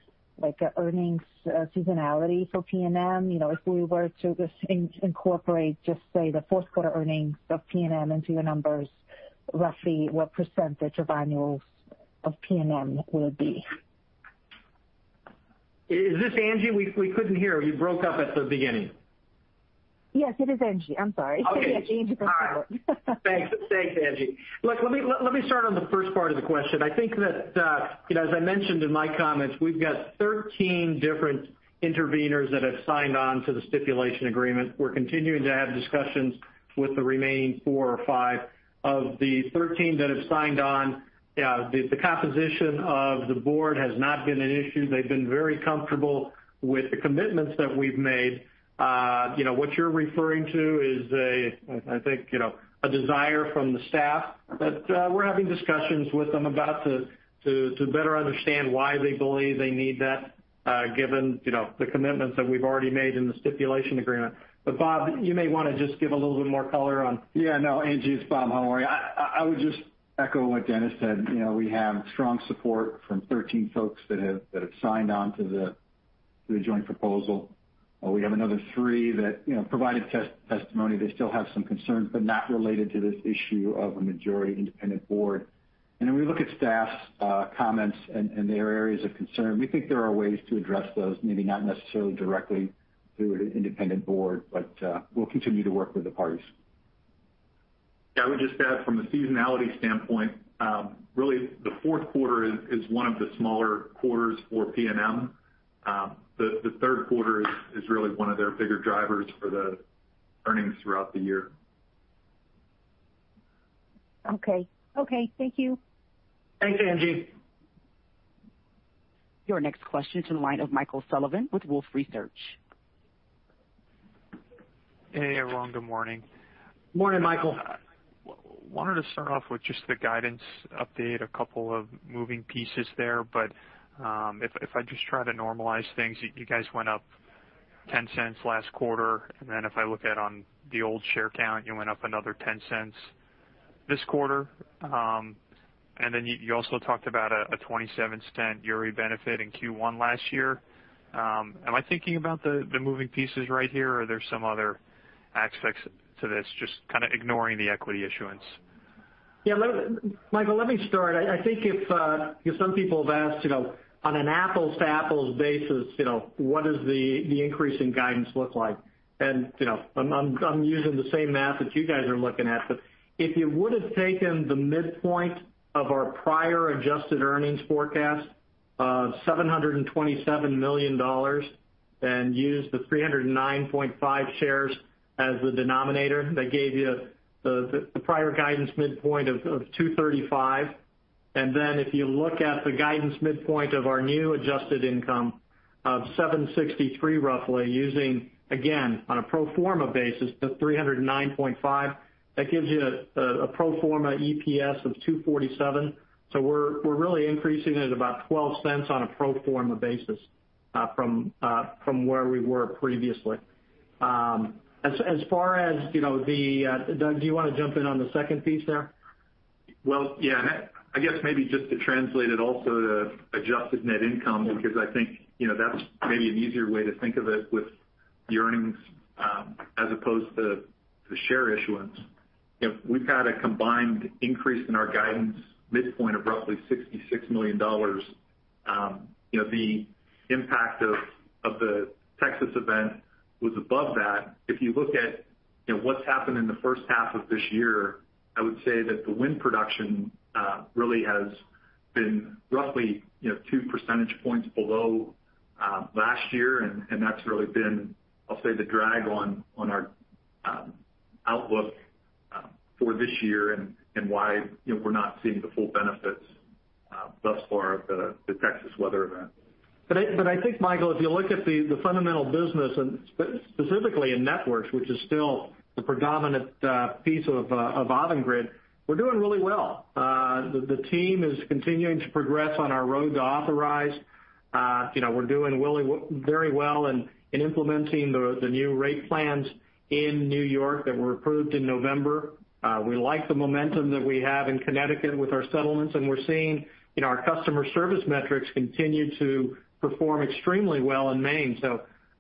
earnings seasonality for PNM? If we were to incorporate, just say, the fourth quarter earnings of PNM into your numbers, roughly what percentage of annuals of PNM it would be? Is this Angie? We couldn't hear. You broke up at the beginning. Yes, it is Angie, I'm sorry. Okay. I changed the phone. Thanks, Angie. Let me start on the first part of the question. I think that as I mentioned in my comments, we've got 13 different interveners that have signed on to the stipulation agreement. We're continuing to have discussions with the remaining four or five. Of the 13 that have signed on, the composition of the board has not been an issue. They've been very comfortable with the commitments that we've made. What you're referring to is a desire from the staff that we're having discussions with them about to better understand why they believe they need that, given the commitments that we've already made in the stipulation agreement. Bob, you may want to just give a little bit more color on. Yeah, no, Angie, it's Bob. How are you? I would just echo what Dennis said. We have strong support from 13 folks that have signed on to the joint proposal. We have another three that provided testimony. They still have some concerns, but not related to this issue of a majority independent board. We look at staff's comments and their areas of concern. We think there are ways to address those, maybe not necessarily directly through an independent board. We'll continue to work with the parties. Yeah, I would just add from a seasonality standpoint, really the fourth quarter is one of the smaller quarters for PNM. The third quarter is really one of their bigger drivers for the earnings throughout the year. Okay. Thank you. Thanks, Angie. Your next question is in the line of Michael Sullivan with Wolfe Research. Hey, everyone. Good morning. Morning, Michael. Wanted to start off with just the guidance update, a couple of moving pieces there, but if I just try to normalize things, you guys went up $0.10 last quarter, and then if I look at on the old share count, you went up another $0.10 this quarter. You also talked about a $0.27 Uri benefit in Q1 last year. Am I thinking about the moving pieces right here, or are there some other aspects to this, just kind of ignoring the equity issuance? Yeah, Michael, let me start. I think some people have asked, on an apples-to-apples basis, what does the increase in guidance look like? I'm using the same math that you guys are looking at. If you would've taken the midpoint of our prior adjusted earnings forecast of $727 million, then used the 309.5 shares as the denominator, that gave you the prior guidance midpoint of $2.35. If you look at the guidance midpoint of our new adjusted income of $763 million roughly, using, again, on a pro forma basis, the 309.5, that gives you a pro forma EPS of $2.47. We're really increasing it about $0.12 on a pro forma basis, from where we were previously. Doug, do you want to jump in on the second piece there? Well, yeah. I guess maybe just to translate it also to adjusted net income, because I think that's maybe an easier way to think of it with the earnings, as opposed to the share issuance. We've had a combined increase in our guidance midpoint of roughly $66 million. The impact of the Texas event was above that. If you look at what's happened in the first half of this year, I would say that the wind production really has been roughly 2 percentage points below last year, and that's really been, I'll say, the drag on our outlook for this year and why we're not seeing the full benefits thus far of the Texas weather event. I think, Michael, if you look at the fundamental business and specifically in networks, which is still the predominant piece of Avangrid, we're doing really well. The team is continuing to progress on our road to authorize. We're doing very well in implementing the new rate plans in New York that were approved in November. We like the momentum that we have in Connecticut with our settlements, and we're seeing our customer service metrics continue to perform extremely well in Maine.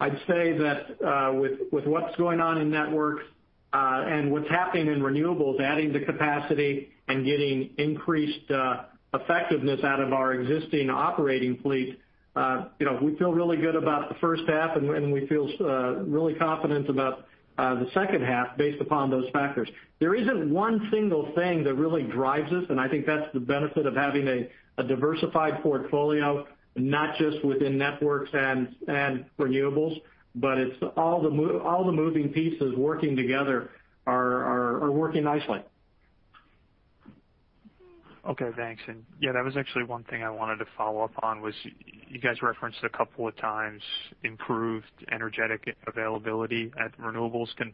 I'd say that with what's going on in networks, and what's happening in renewables, adding the capacity and getting increased effectiveness out of our existing operating fleet, we feel really good about the first half and we feel really confident about the second half based upon those factors. There isn't one single thing that really drives us, and I think that's the benefit of having a diversified portfolio, not just within Networks and Renewables, but it's all the moving pieces working together are working nicely. Okay, thanks. Yeah, that was actually one thing I wanted to follow up on was you guys referenced a couple of times improved energetic availability at renewables. Can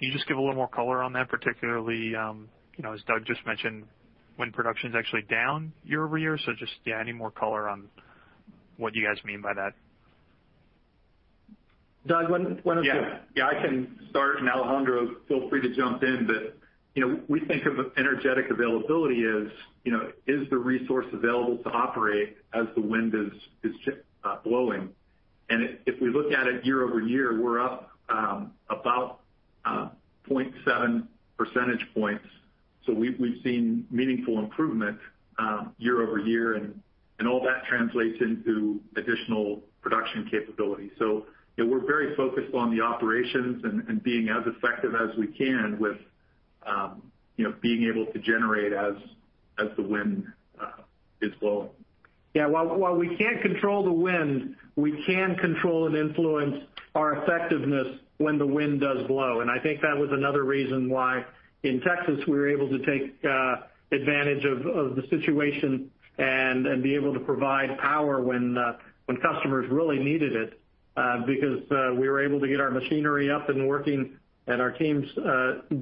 you just give a little more color on that, particularly, as Doug just mentioned, wind production's actually down year-over-year, I need more color on what you guys mean by that. Doug. Yeah. I can start, and Alejandro, feel free to jump in, but we think of energetic availability as, is the resource available to operate as the wind is blowing? If we look at it year-over-year, we're up about 0.7 percentage points. We've seen meaningful improvement year-over-year, and all that translates into additional production capability. We're very focused on the operations and being as effective as we can with being able to generate as the wind is blowing. Yeah. While we can't control the wind, we can control and influence our effectiveness when the wind does blow. I think that was another reason why in Texas, we were able to take advantage of the situation and be able to provide power when customers really needed it, because we were able to get our machinery up and working, and our teams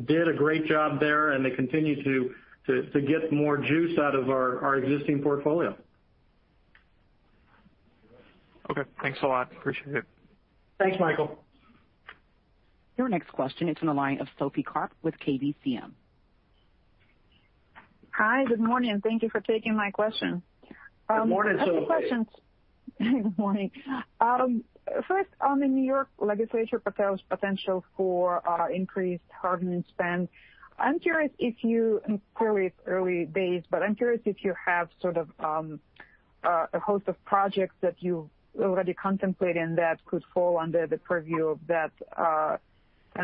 did a great job there, and they continue to get more juice out of our existing portfolio. Okay. Thanks a lot. Appreciate it. Thanks, Michael. Your next question is in the line of Sophie Karp with KeyBanc CM. Hi. Good morning, and thank you for taking my question. Good morning, Sophie. A couple questions. Good morning. First, on the New York legislature potential for increased hardening spend, I'm curious if you, I'm sure it's early days, but I'm curious if you have sort of a host of projects that you already contemplate and that could fall under the purview of that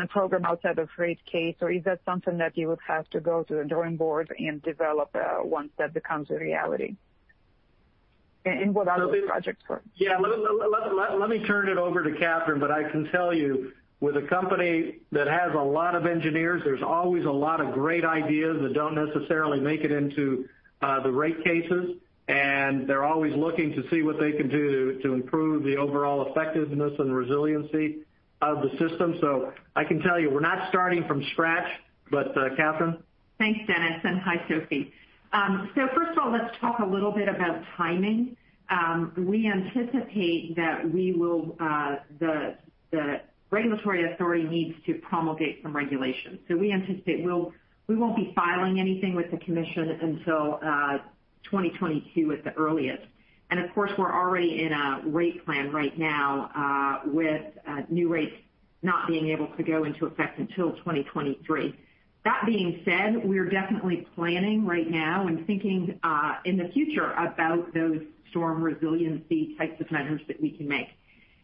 program outside of rate case, or is that something that you would have to go to the drawing board and develop once that becomes a reality? What are those projects for? Yeah. Let me turn it over to Catherine, but I can tell you, with a company that has a lot of engineers, there's always a lot of great ideas that don't necessarily make it into the rate cases, and they're always looking to see what they can do to improve the overall effectiveness and resiliency of the system. I can tell you, we're not starting from scratch, but, Catherine? Thanks, Dennis, and hi, Sophie. First of all, let's talk a little bit about timing. We anticipate that the regulatory authority needs to promulgate some regulations. We anticipate we won't be filing anything with the commission until 2022 at the earliest. Of course, we're already in a rate plan right now with new rates not being able to go into effect until 2023. That being said, we're definitely planning right now and thinking in the future about those storm resiliency types of measures that we can make.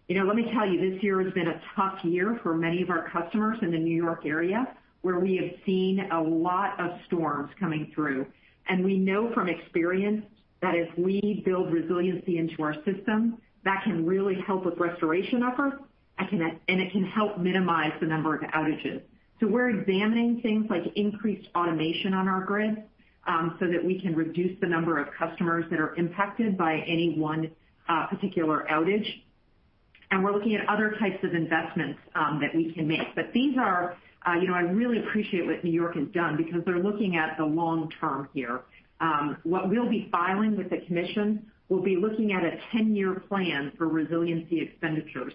Let me tell you, this year has been a tough year for many of our customers in the New York area, where we have seen a lot of storms coming through. We know from experience that if we build resiliency into our system, that can really help with restoration efforts, and it can help minimize the number of outages. We're examining things like increased automation on our grid so that we can reduce the number of customers that are impacted by any one particular outage, and we're looking at other types of investments that we can make. I really appreciate what New York has done because they're looking at the long term here. What we'll be filing with the commission will be looking at a 10-year plan for resiliency expenditures.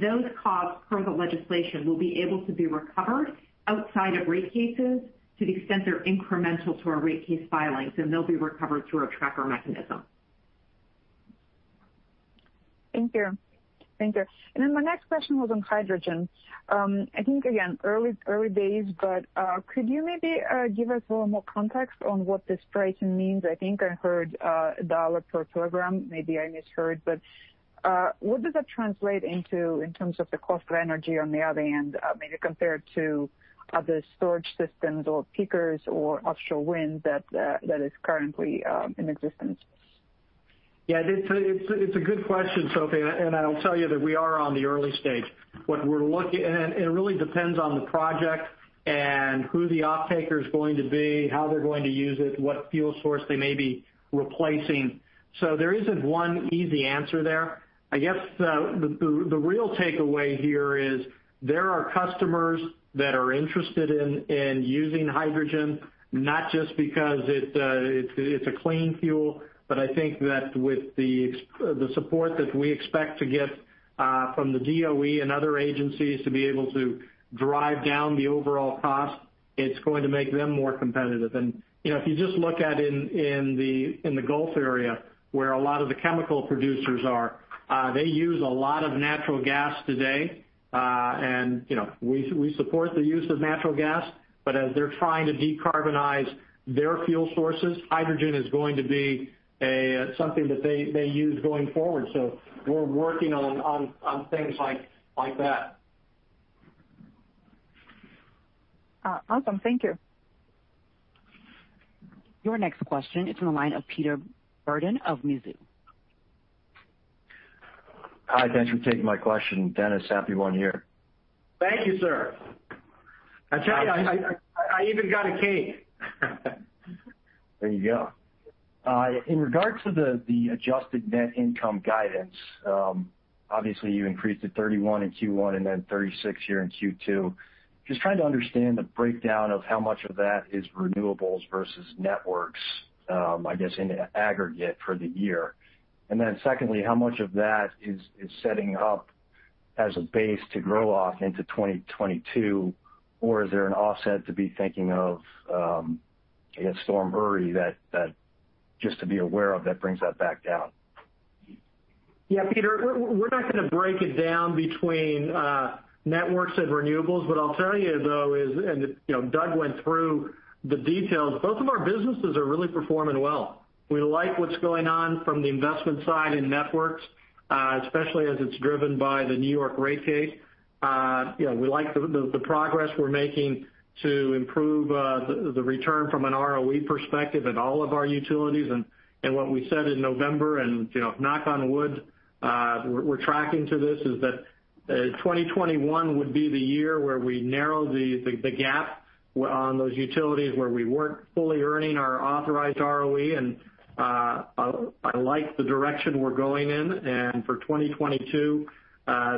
Those costs, per the legislation, will be able to be recovered outside of rate cases to the extent they're incremental to our rate case filings, and they'll be recovered through a tracker mechanism. Thank you. My next question was on hydrogen. I think, again, early days, but could you maybe give us a little more context on what this pricing means? I think I heard a $1 per kilogram. Maybe I misheard. What does that translate into in terms of the cost of energy on the other end, maybe compared to other storage systems or peakers or offshore wind that is currently in existence? Yeah. It's a good question, Sophie, and I'll tell you that we are on the early stage. It really depends on the project and who the offtaker's going to be, how they're going to use it, what fuel source they may be replacing. There isn't one easy answer there. I guess the real takeaway here is there are customers that are interested in using hydrogen, not just because it's a clean fuel, but I think that with the support that we expect to get from the DOE and other agencies to be able to drive down the overall cost, it's going to make them more competitive. If you just look at in the Gulf area where a lot of the chemical producers are, they use a lot of natural gas today. We support the use of natural gas, but as they're trying to decarbonize their fuel sources, hydrogen is going to be something that they use going forward. We're working on things like that. Awesome. Thank you. Your next question is on the line of Peter Burden of Mizuho. Hi. Thanks for taking my question. Dennis, happy one year. Thank you, sir. I tell you, I even got a cake. There you go. In regards to the adjusted net income guidance, obviously you increased to $31 million in Q1 and then $36 million here in Q2. Just trying to understand the breakdown of how much of that is renewables versus networks, I guess, in aggregate for the year. Secondly, how much of that is setting up as a base to grow off into 2022? Is there an offset to be thinking of, I guess, Storm Uri, just to be aware of, that brings that back down? Peter, we're not going to break it down between networks and renewables. What I'll tell you, though is, Doug went through the details, both of our businesses are really performing well. We like what's going on from the investment side in networks, especially as it's driven by the New York rate case. We like the progress we're making to improve the return from an ROE perspective in all of our utilities. What we said in November, knock on wood, we're tracking to this, is that 2021 would be the year where we narrow the gap on those utilities where we weren't fully earning our authorized ROE. I like the direction we're going in. For 2022,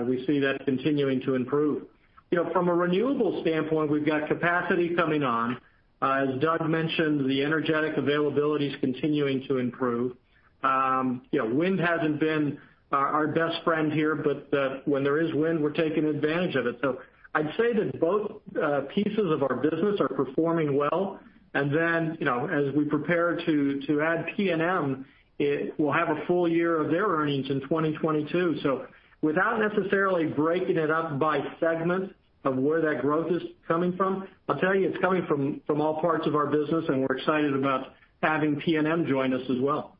we see that continuing to improve. From a renewables standpoint, we've got capacity coming on. As Doug mentioned, the energetic availability's continuing to improve. Wind hasn't been our best friend here, but when there is wind, we're taking advantage of it. I'd say that both pieces of our business are performing well. As we prepare to add PNM, we'll have a full year of their earnings in 2022. Without necessarily breaking it up by segment of where that growth is coming from, I'll tell you it's coming from all parts of our business, and we're excited about having PNM join us as well.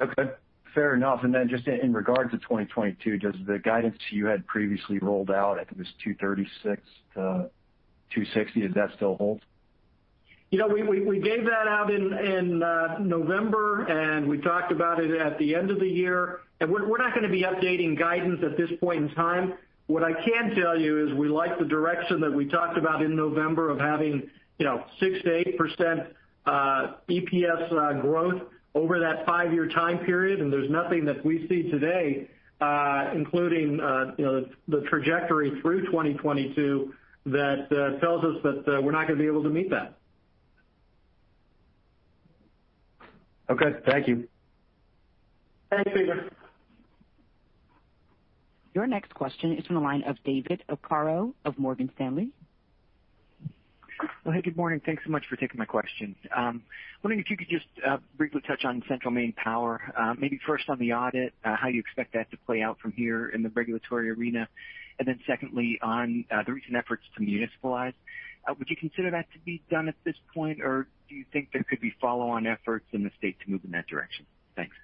Okay, fair enough. Just in regards to 2022, does the guidance you had previously rolled out, I think it was $2.36-$2.60, does that still hold? We gave that out in November. We talked about it at the end of the year. We're not going to be updating guidance at this point in time. What I can tell you is we like the direction that we talked about in November of having 6%-8% EPS growth over that five-year time period. There's nothing that we see today, including the trajectory through 2022, that tells us that we're not going to be able to meet that. Okay. Thank you. Thanks, Peter. Your next question is from the line of David Arcaro of Morgan Stanley. Well, hey, good morning. Thanks so much for taking my question. I'm wondering if you could just briefly touch on Central Maine Power, maybe first on the audit, how you expect that to play out from here in the regulatory arena. Secondly, on the recent efforts to municipalize. Would you consider that to be done at this point, or do you think there could be follow-on efforts in the state to move in that direction? Thanks.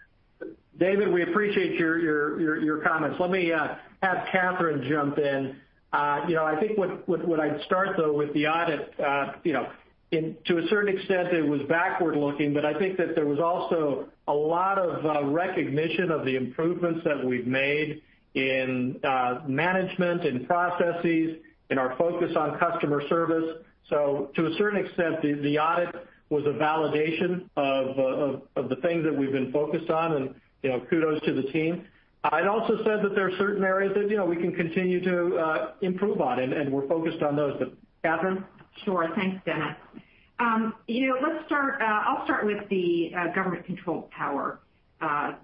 David, we appreciate your comments. Let me have Catherine jump in. I think what I'd start, though, with the audit, to a certain extent it was backward-looking, but I think that there was also a lot of recognition of the improvements that we've made in management, in processes, in our focus on customer service. To a certain extent, the audit was a validation of the things that we've been focused on, and kudos to the team. I'd also said that there are certain areas that we can continue to improve on, and we're focused on those. Catherine? Sure. Thanks, Dennis. I'll start with the government-controlled power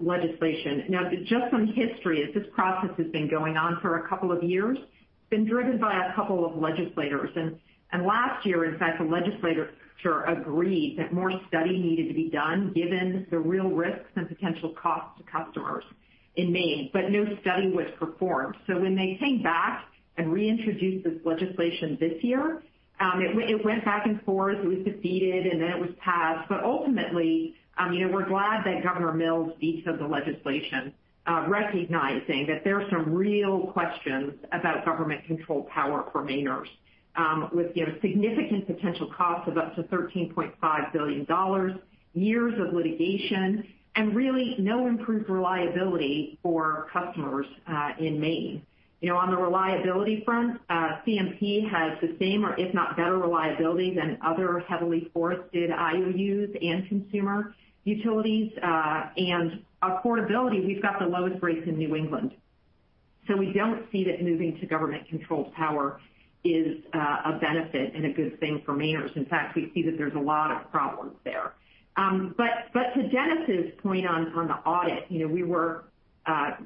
legislation. Just some history is this process has been going on for a couple years. It's been driven by a couple legislators. Last year, in fact, the legislature agreed that more study needed to be done given the real risks and potential costs to customers in Maine, but no study was performed. When they came back and reintroduced this legislation this year, it went back and forth. It was defeated, and then it was passed. Ultimately, we're glad that Governor Mills vetoed the legislation, recognizing that there are some real questions about government-controlled power for Mainers with significant potential costs of up to $13.5 billion, years of litigation, and really no improved reliability for customers in Maine. On the reliability front, CMP has the same, if not better reliability than other heavily forested IOUs and consumer utilities. Affordability, we've got the lowest rates in New England. We don't see that moving to government-controlled power is a benefit and a good thing for Mainers. In fact, we see that there's a lot of problems there. To Dennis's point on the audit, we were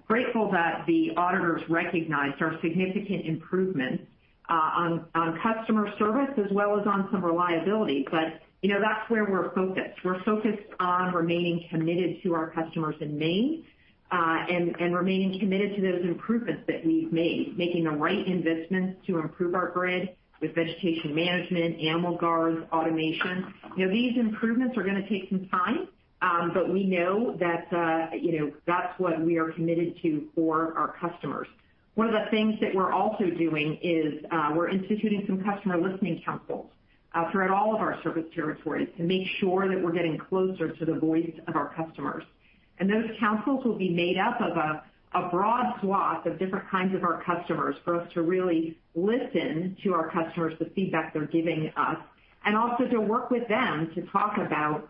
grateful that the auditors recognized our significant improvements on customer service as well as on some reliability. That's where we're focused. We're focused on remaining committed to our customers in Maine, and remaining committed to those improvements that we've made, making the right investments to improve our grid with vegetation management, animal guards, automation. These improvements are going to take some time, but we know that's what we are committed to for our customers. One of the things that we're also doing is we're instituting some customer listening councils throughout all of our service territories to make sure that we're getting closer to the voice of our customers. Those councils will be made up of a broad swath of different kinds of our customers for us to really listen to our customers, the feedback they're giving us, and also to work with them to talk about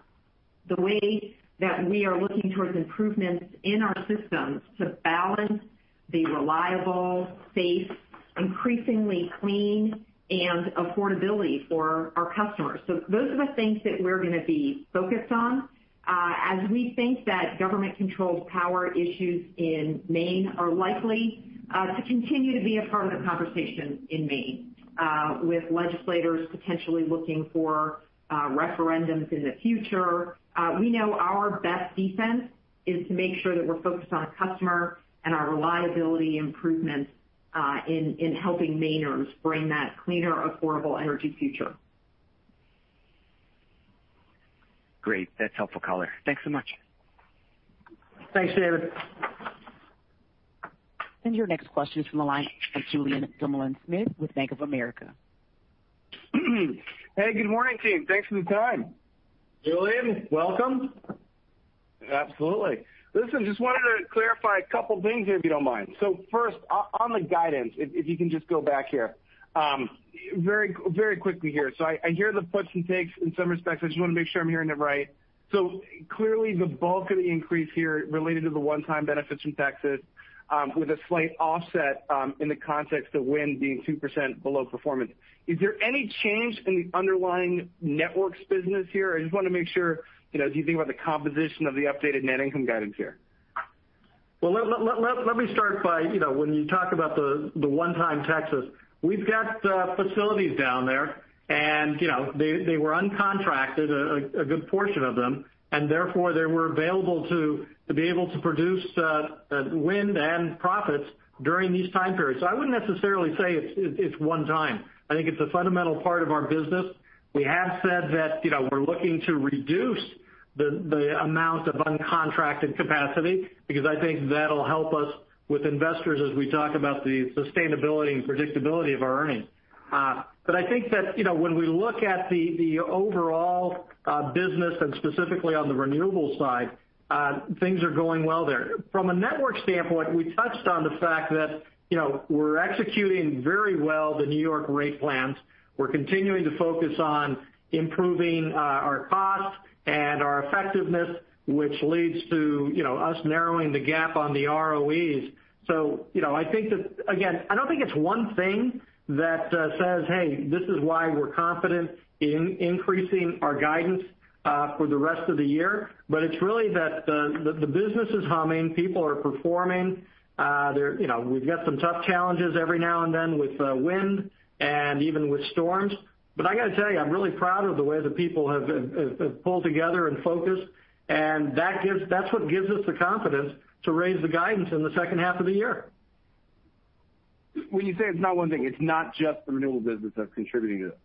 the way that we are looking towards improvements in our systems to balance the reliable, safe, increasingly clean, and affordability for our customers. Those are the things that we're going to be focused on as we think that government-controlled power issues in Maine are likely to continue to be a part of the conversation in Maine, with legislators potentially looking for referendums in the future. We know our best defense is to make sure that we're focused on our customer and our reliability improvements in helping Mainers bring that cleaner, affordable energy future. Great. That's helpful color. Thanks so much. Thanks, David. Your next question is from the line of Julien Dumoulin-Smith with Bank of America. Hey, good morning, team. Thanks for the time. Julien, welcome. Absolutely. Listen, just wanted to clarify a couple of things here, if you don't mind. First, on the guidance, if you can just go back here. Very quickly here. I hear the puts and takes in some respects. I just want to make sure I'm hearing it right. Clearly, the bulk of the increase here related to the one-time benefits from Texas, with a slight offset in the context of wind being 2% below performance. Is there any change in the underlying networks business here? I just want to make sure, as you think about the composition of the updated net income guidance here. Well, let me start by when you talk about the one-time Texas, we've got facilities down there, and they were uncontracted, a good portion of them, and therefore, they were available to be able to produce wind and profits during these time periods. I wouldn't necessarily say it's one time. I think it's a fundamental part of our business. We have said that we're looking to reduce the amount of uncontracted capacity, because I think that'll help us with investors as we talk about the sustainability and predictability of our earnings. I think that when we look at the overall business, and specifically on the renewables side, things are going well there. From a network standpoint, we touched on the fact that we're executing very well the New York rate plans. We're continuing to focus on improving our costs and our effectiveness, which leads to us narrowing the gap on the ROEs. I think that, again, I don't think it's one thing that says, hey, this is why we're confident in increasing our guidance for the rest of the year, but it's really that the business is humming, people are performing. We've got some tough challenges every now and then with wind and even with storms. I got to tell you, I'm really proud of the way the people have pulled together and focused, and that's what gives us the confidence to raise the guidance in the second half of the year. When you say it's not one thing, it's not just the renewable business that's contributing to it?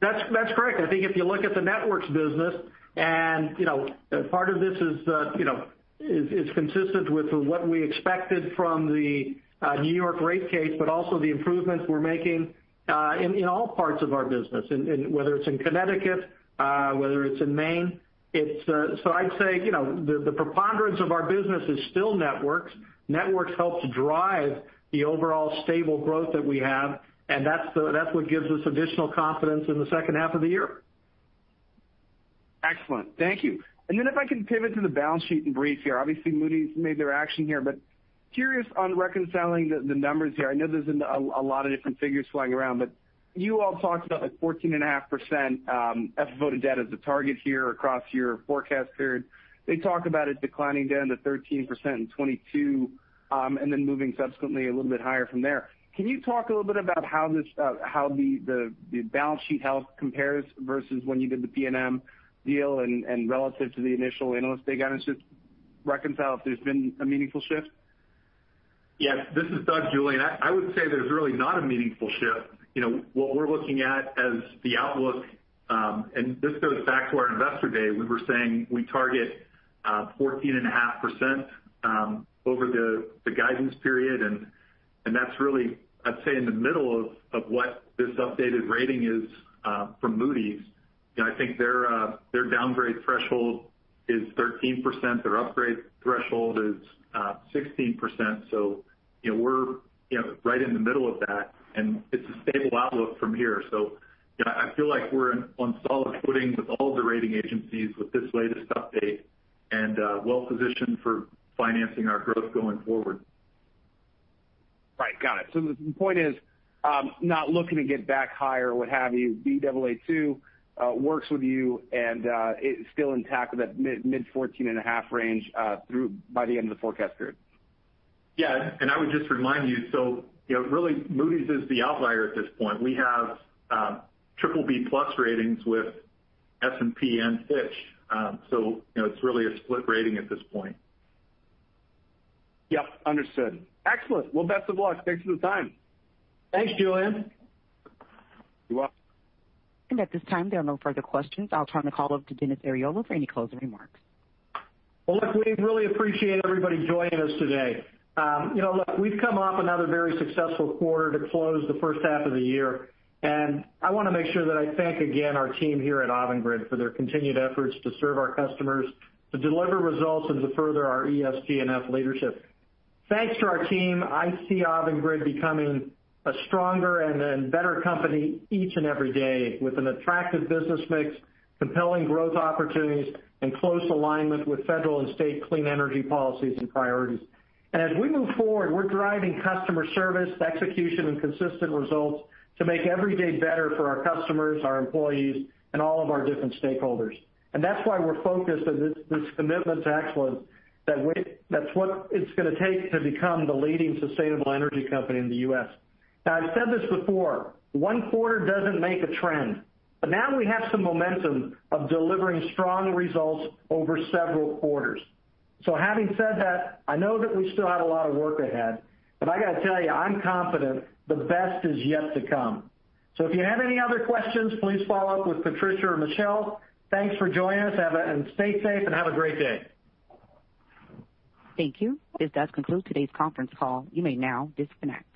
That's correct. I think if you look at the networks business, part of this is consistent with what we expected from the New York rate case, but also the improvements we're making in all parts of our business, whether it's in Connecticut, whether it's in Maine. I'd say, the preponderance of our business is still networks. Networks helps drive the overall stable growth that we have, and that's what gives us additional confidence in the second half of the year. Excellent. Thank you. If I can pivot to the balance sheet and brief here, obviously Moody's made their action here, but curious on reconciling the numbers here. I know there's a lot of different figures flying around, but you all talked about 14.5% FFO to debt as a target here across your forecast period. They talk about it declining down to 13% in 2022, and then moving subsequently a little bit higher from there. Can you talk a little bit about how the balance sheet health compares versus when you did the PNM deal and relative to the initial analyst day guidance, just reconcile if there's been a meaningful shift? Yes. This is Doug, Julien. I would say there's really not a meaningful shift. What we're looking at as the outlook, and this goes back to our investor day, we were saying we target 14.5% over the guidance period, and that's really, I'd say, in the middle of what this updated rating is from Moody's. I think their downgrade threshold is 13%, their upgrade threshold is 16%. We're right in the middle of that, and it's a stable outlook from here. I feel like we're on solid footing with all the rating agencies with this latest update and well-positioned for financing our growth going forward. Right. Got it. The point is, not looking to get back higher, what have you, Baa2 works with you, and it's still intact with that mid 14.5 range through by the end of the forecast period. Yeah. I would just remind you, really Moody's is the outlier at this point. We have BBB+ ratings with S&P and Fitch. It's really a split rating at this point. Yep, understood. Excellent. Well, best of luck. Thanks for the time. Thanks, Julien. You're welcome. At this time, there are no further questions. I'll turn the call over to Dennis Arriola for any closing remarks. Well, look, we really appreciate everybody joining us today. Look, we've come off another very successful quarter to close the first half of the year, and I want to make sure that I thank again our team here at Avangrid for their continued efforts to serve our customers, to deliver results, and to further our ESG and F leadership. Thanks to our team, I see Avangrid becoming a stronger and better company each and every day with an attractive business mix, compelling growth opportunities, and close alignment with federal and state clean energy policies and priorities. As we move forward, we're driving customer service, execution, and consistent results to make every day better for our customers, our employees, and all of our different stakeholders. That's why we're focused on this commitment to excellence, that's what it's going to take to become the leading sustainable energy company in the U.S. I've said this before, one quarter doesn't make a trend, but now we have some momentum of delivering strong results over several quarters. Having said that, I know that we still have a lot of work ahead, but I got to tell you, I'm confident the best is yet to come. If you have any other questions, please follow up with Patricia or Michelle. Thanks for joining us, and stay safe and have a great day. Thank you. This does conclude today's conference call. You may now disconnect.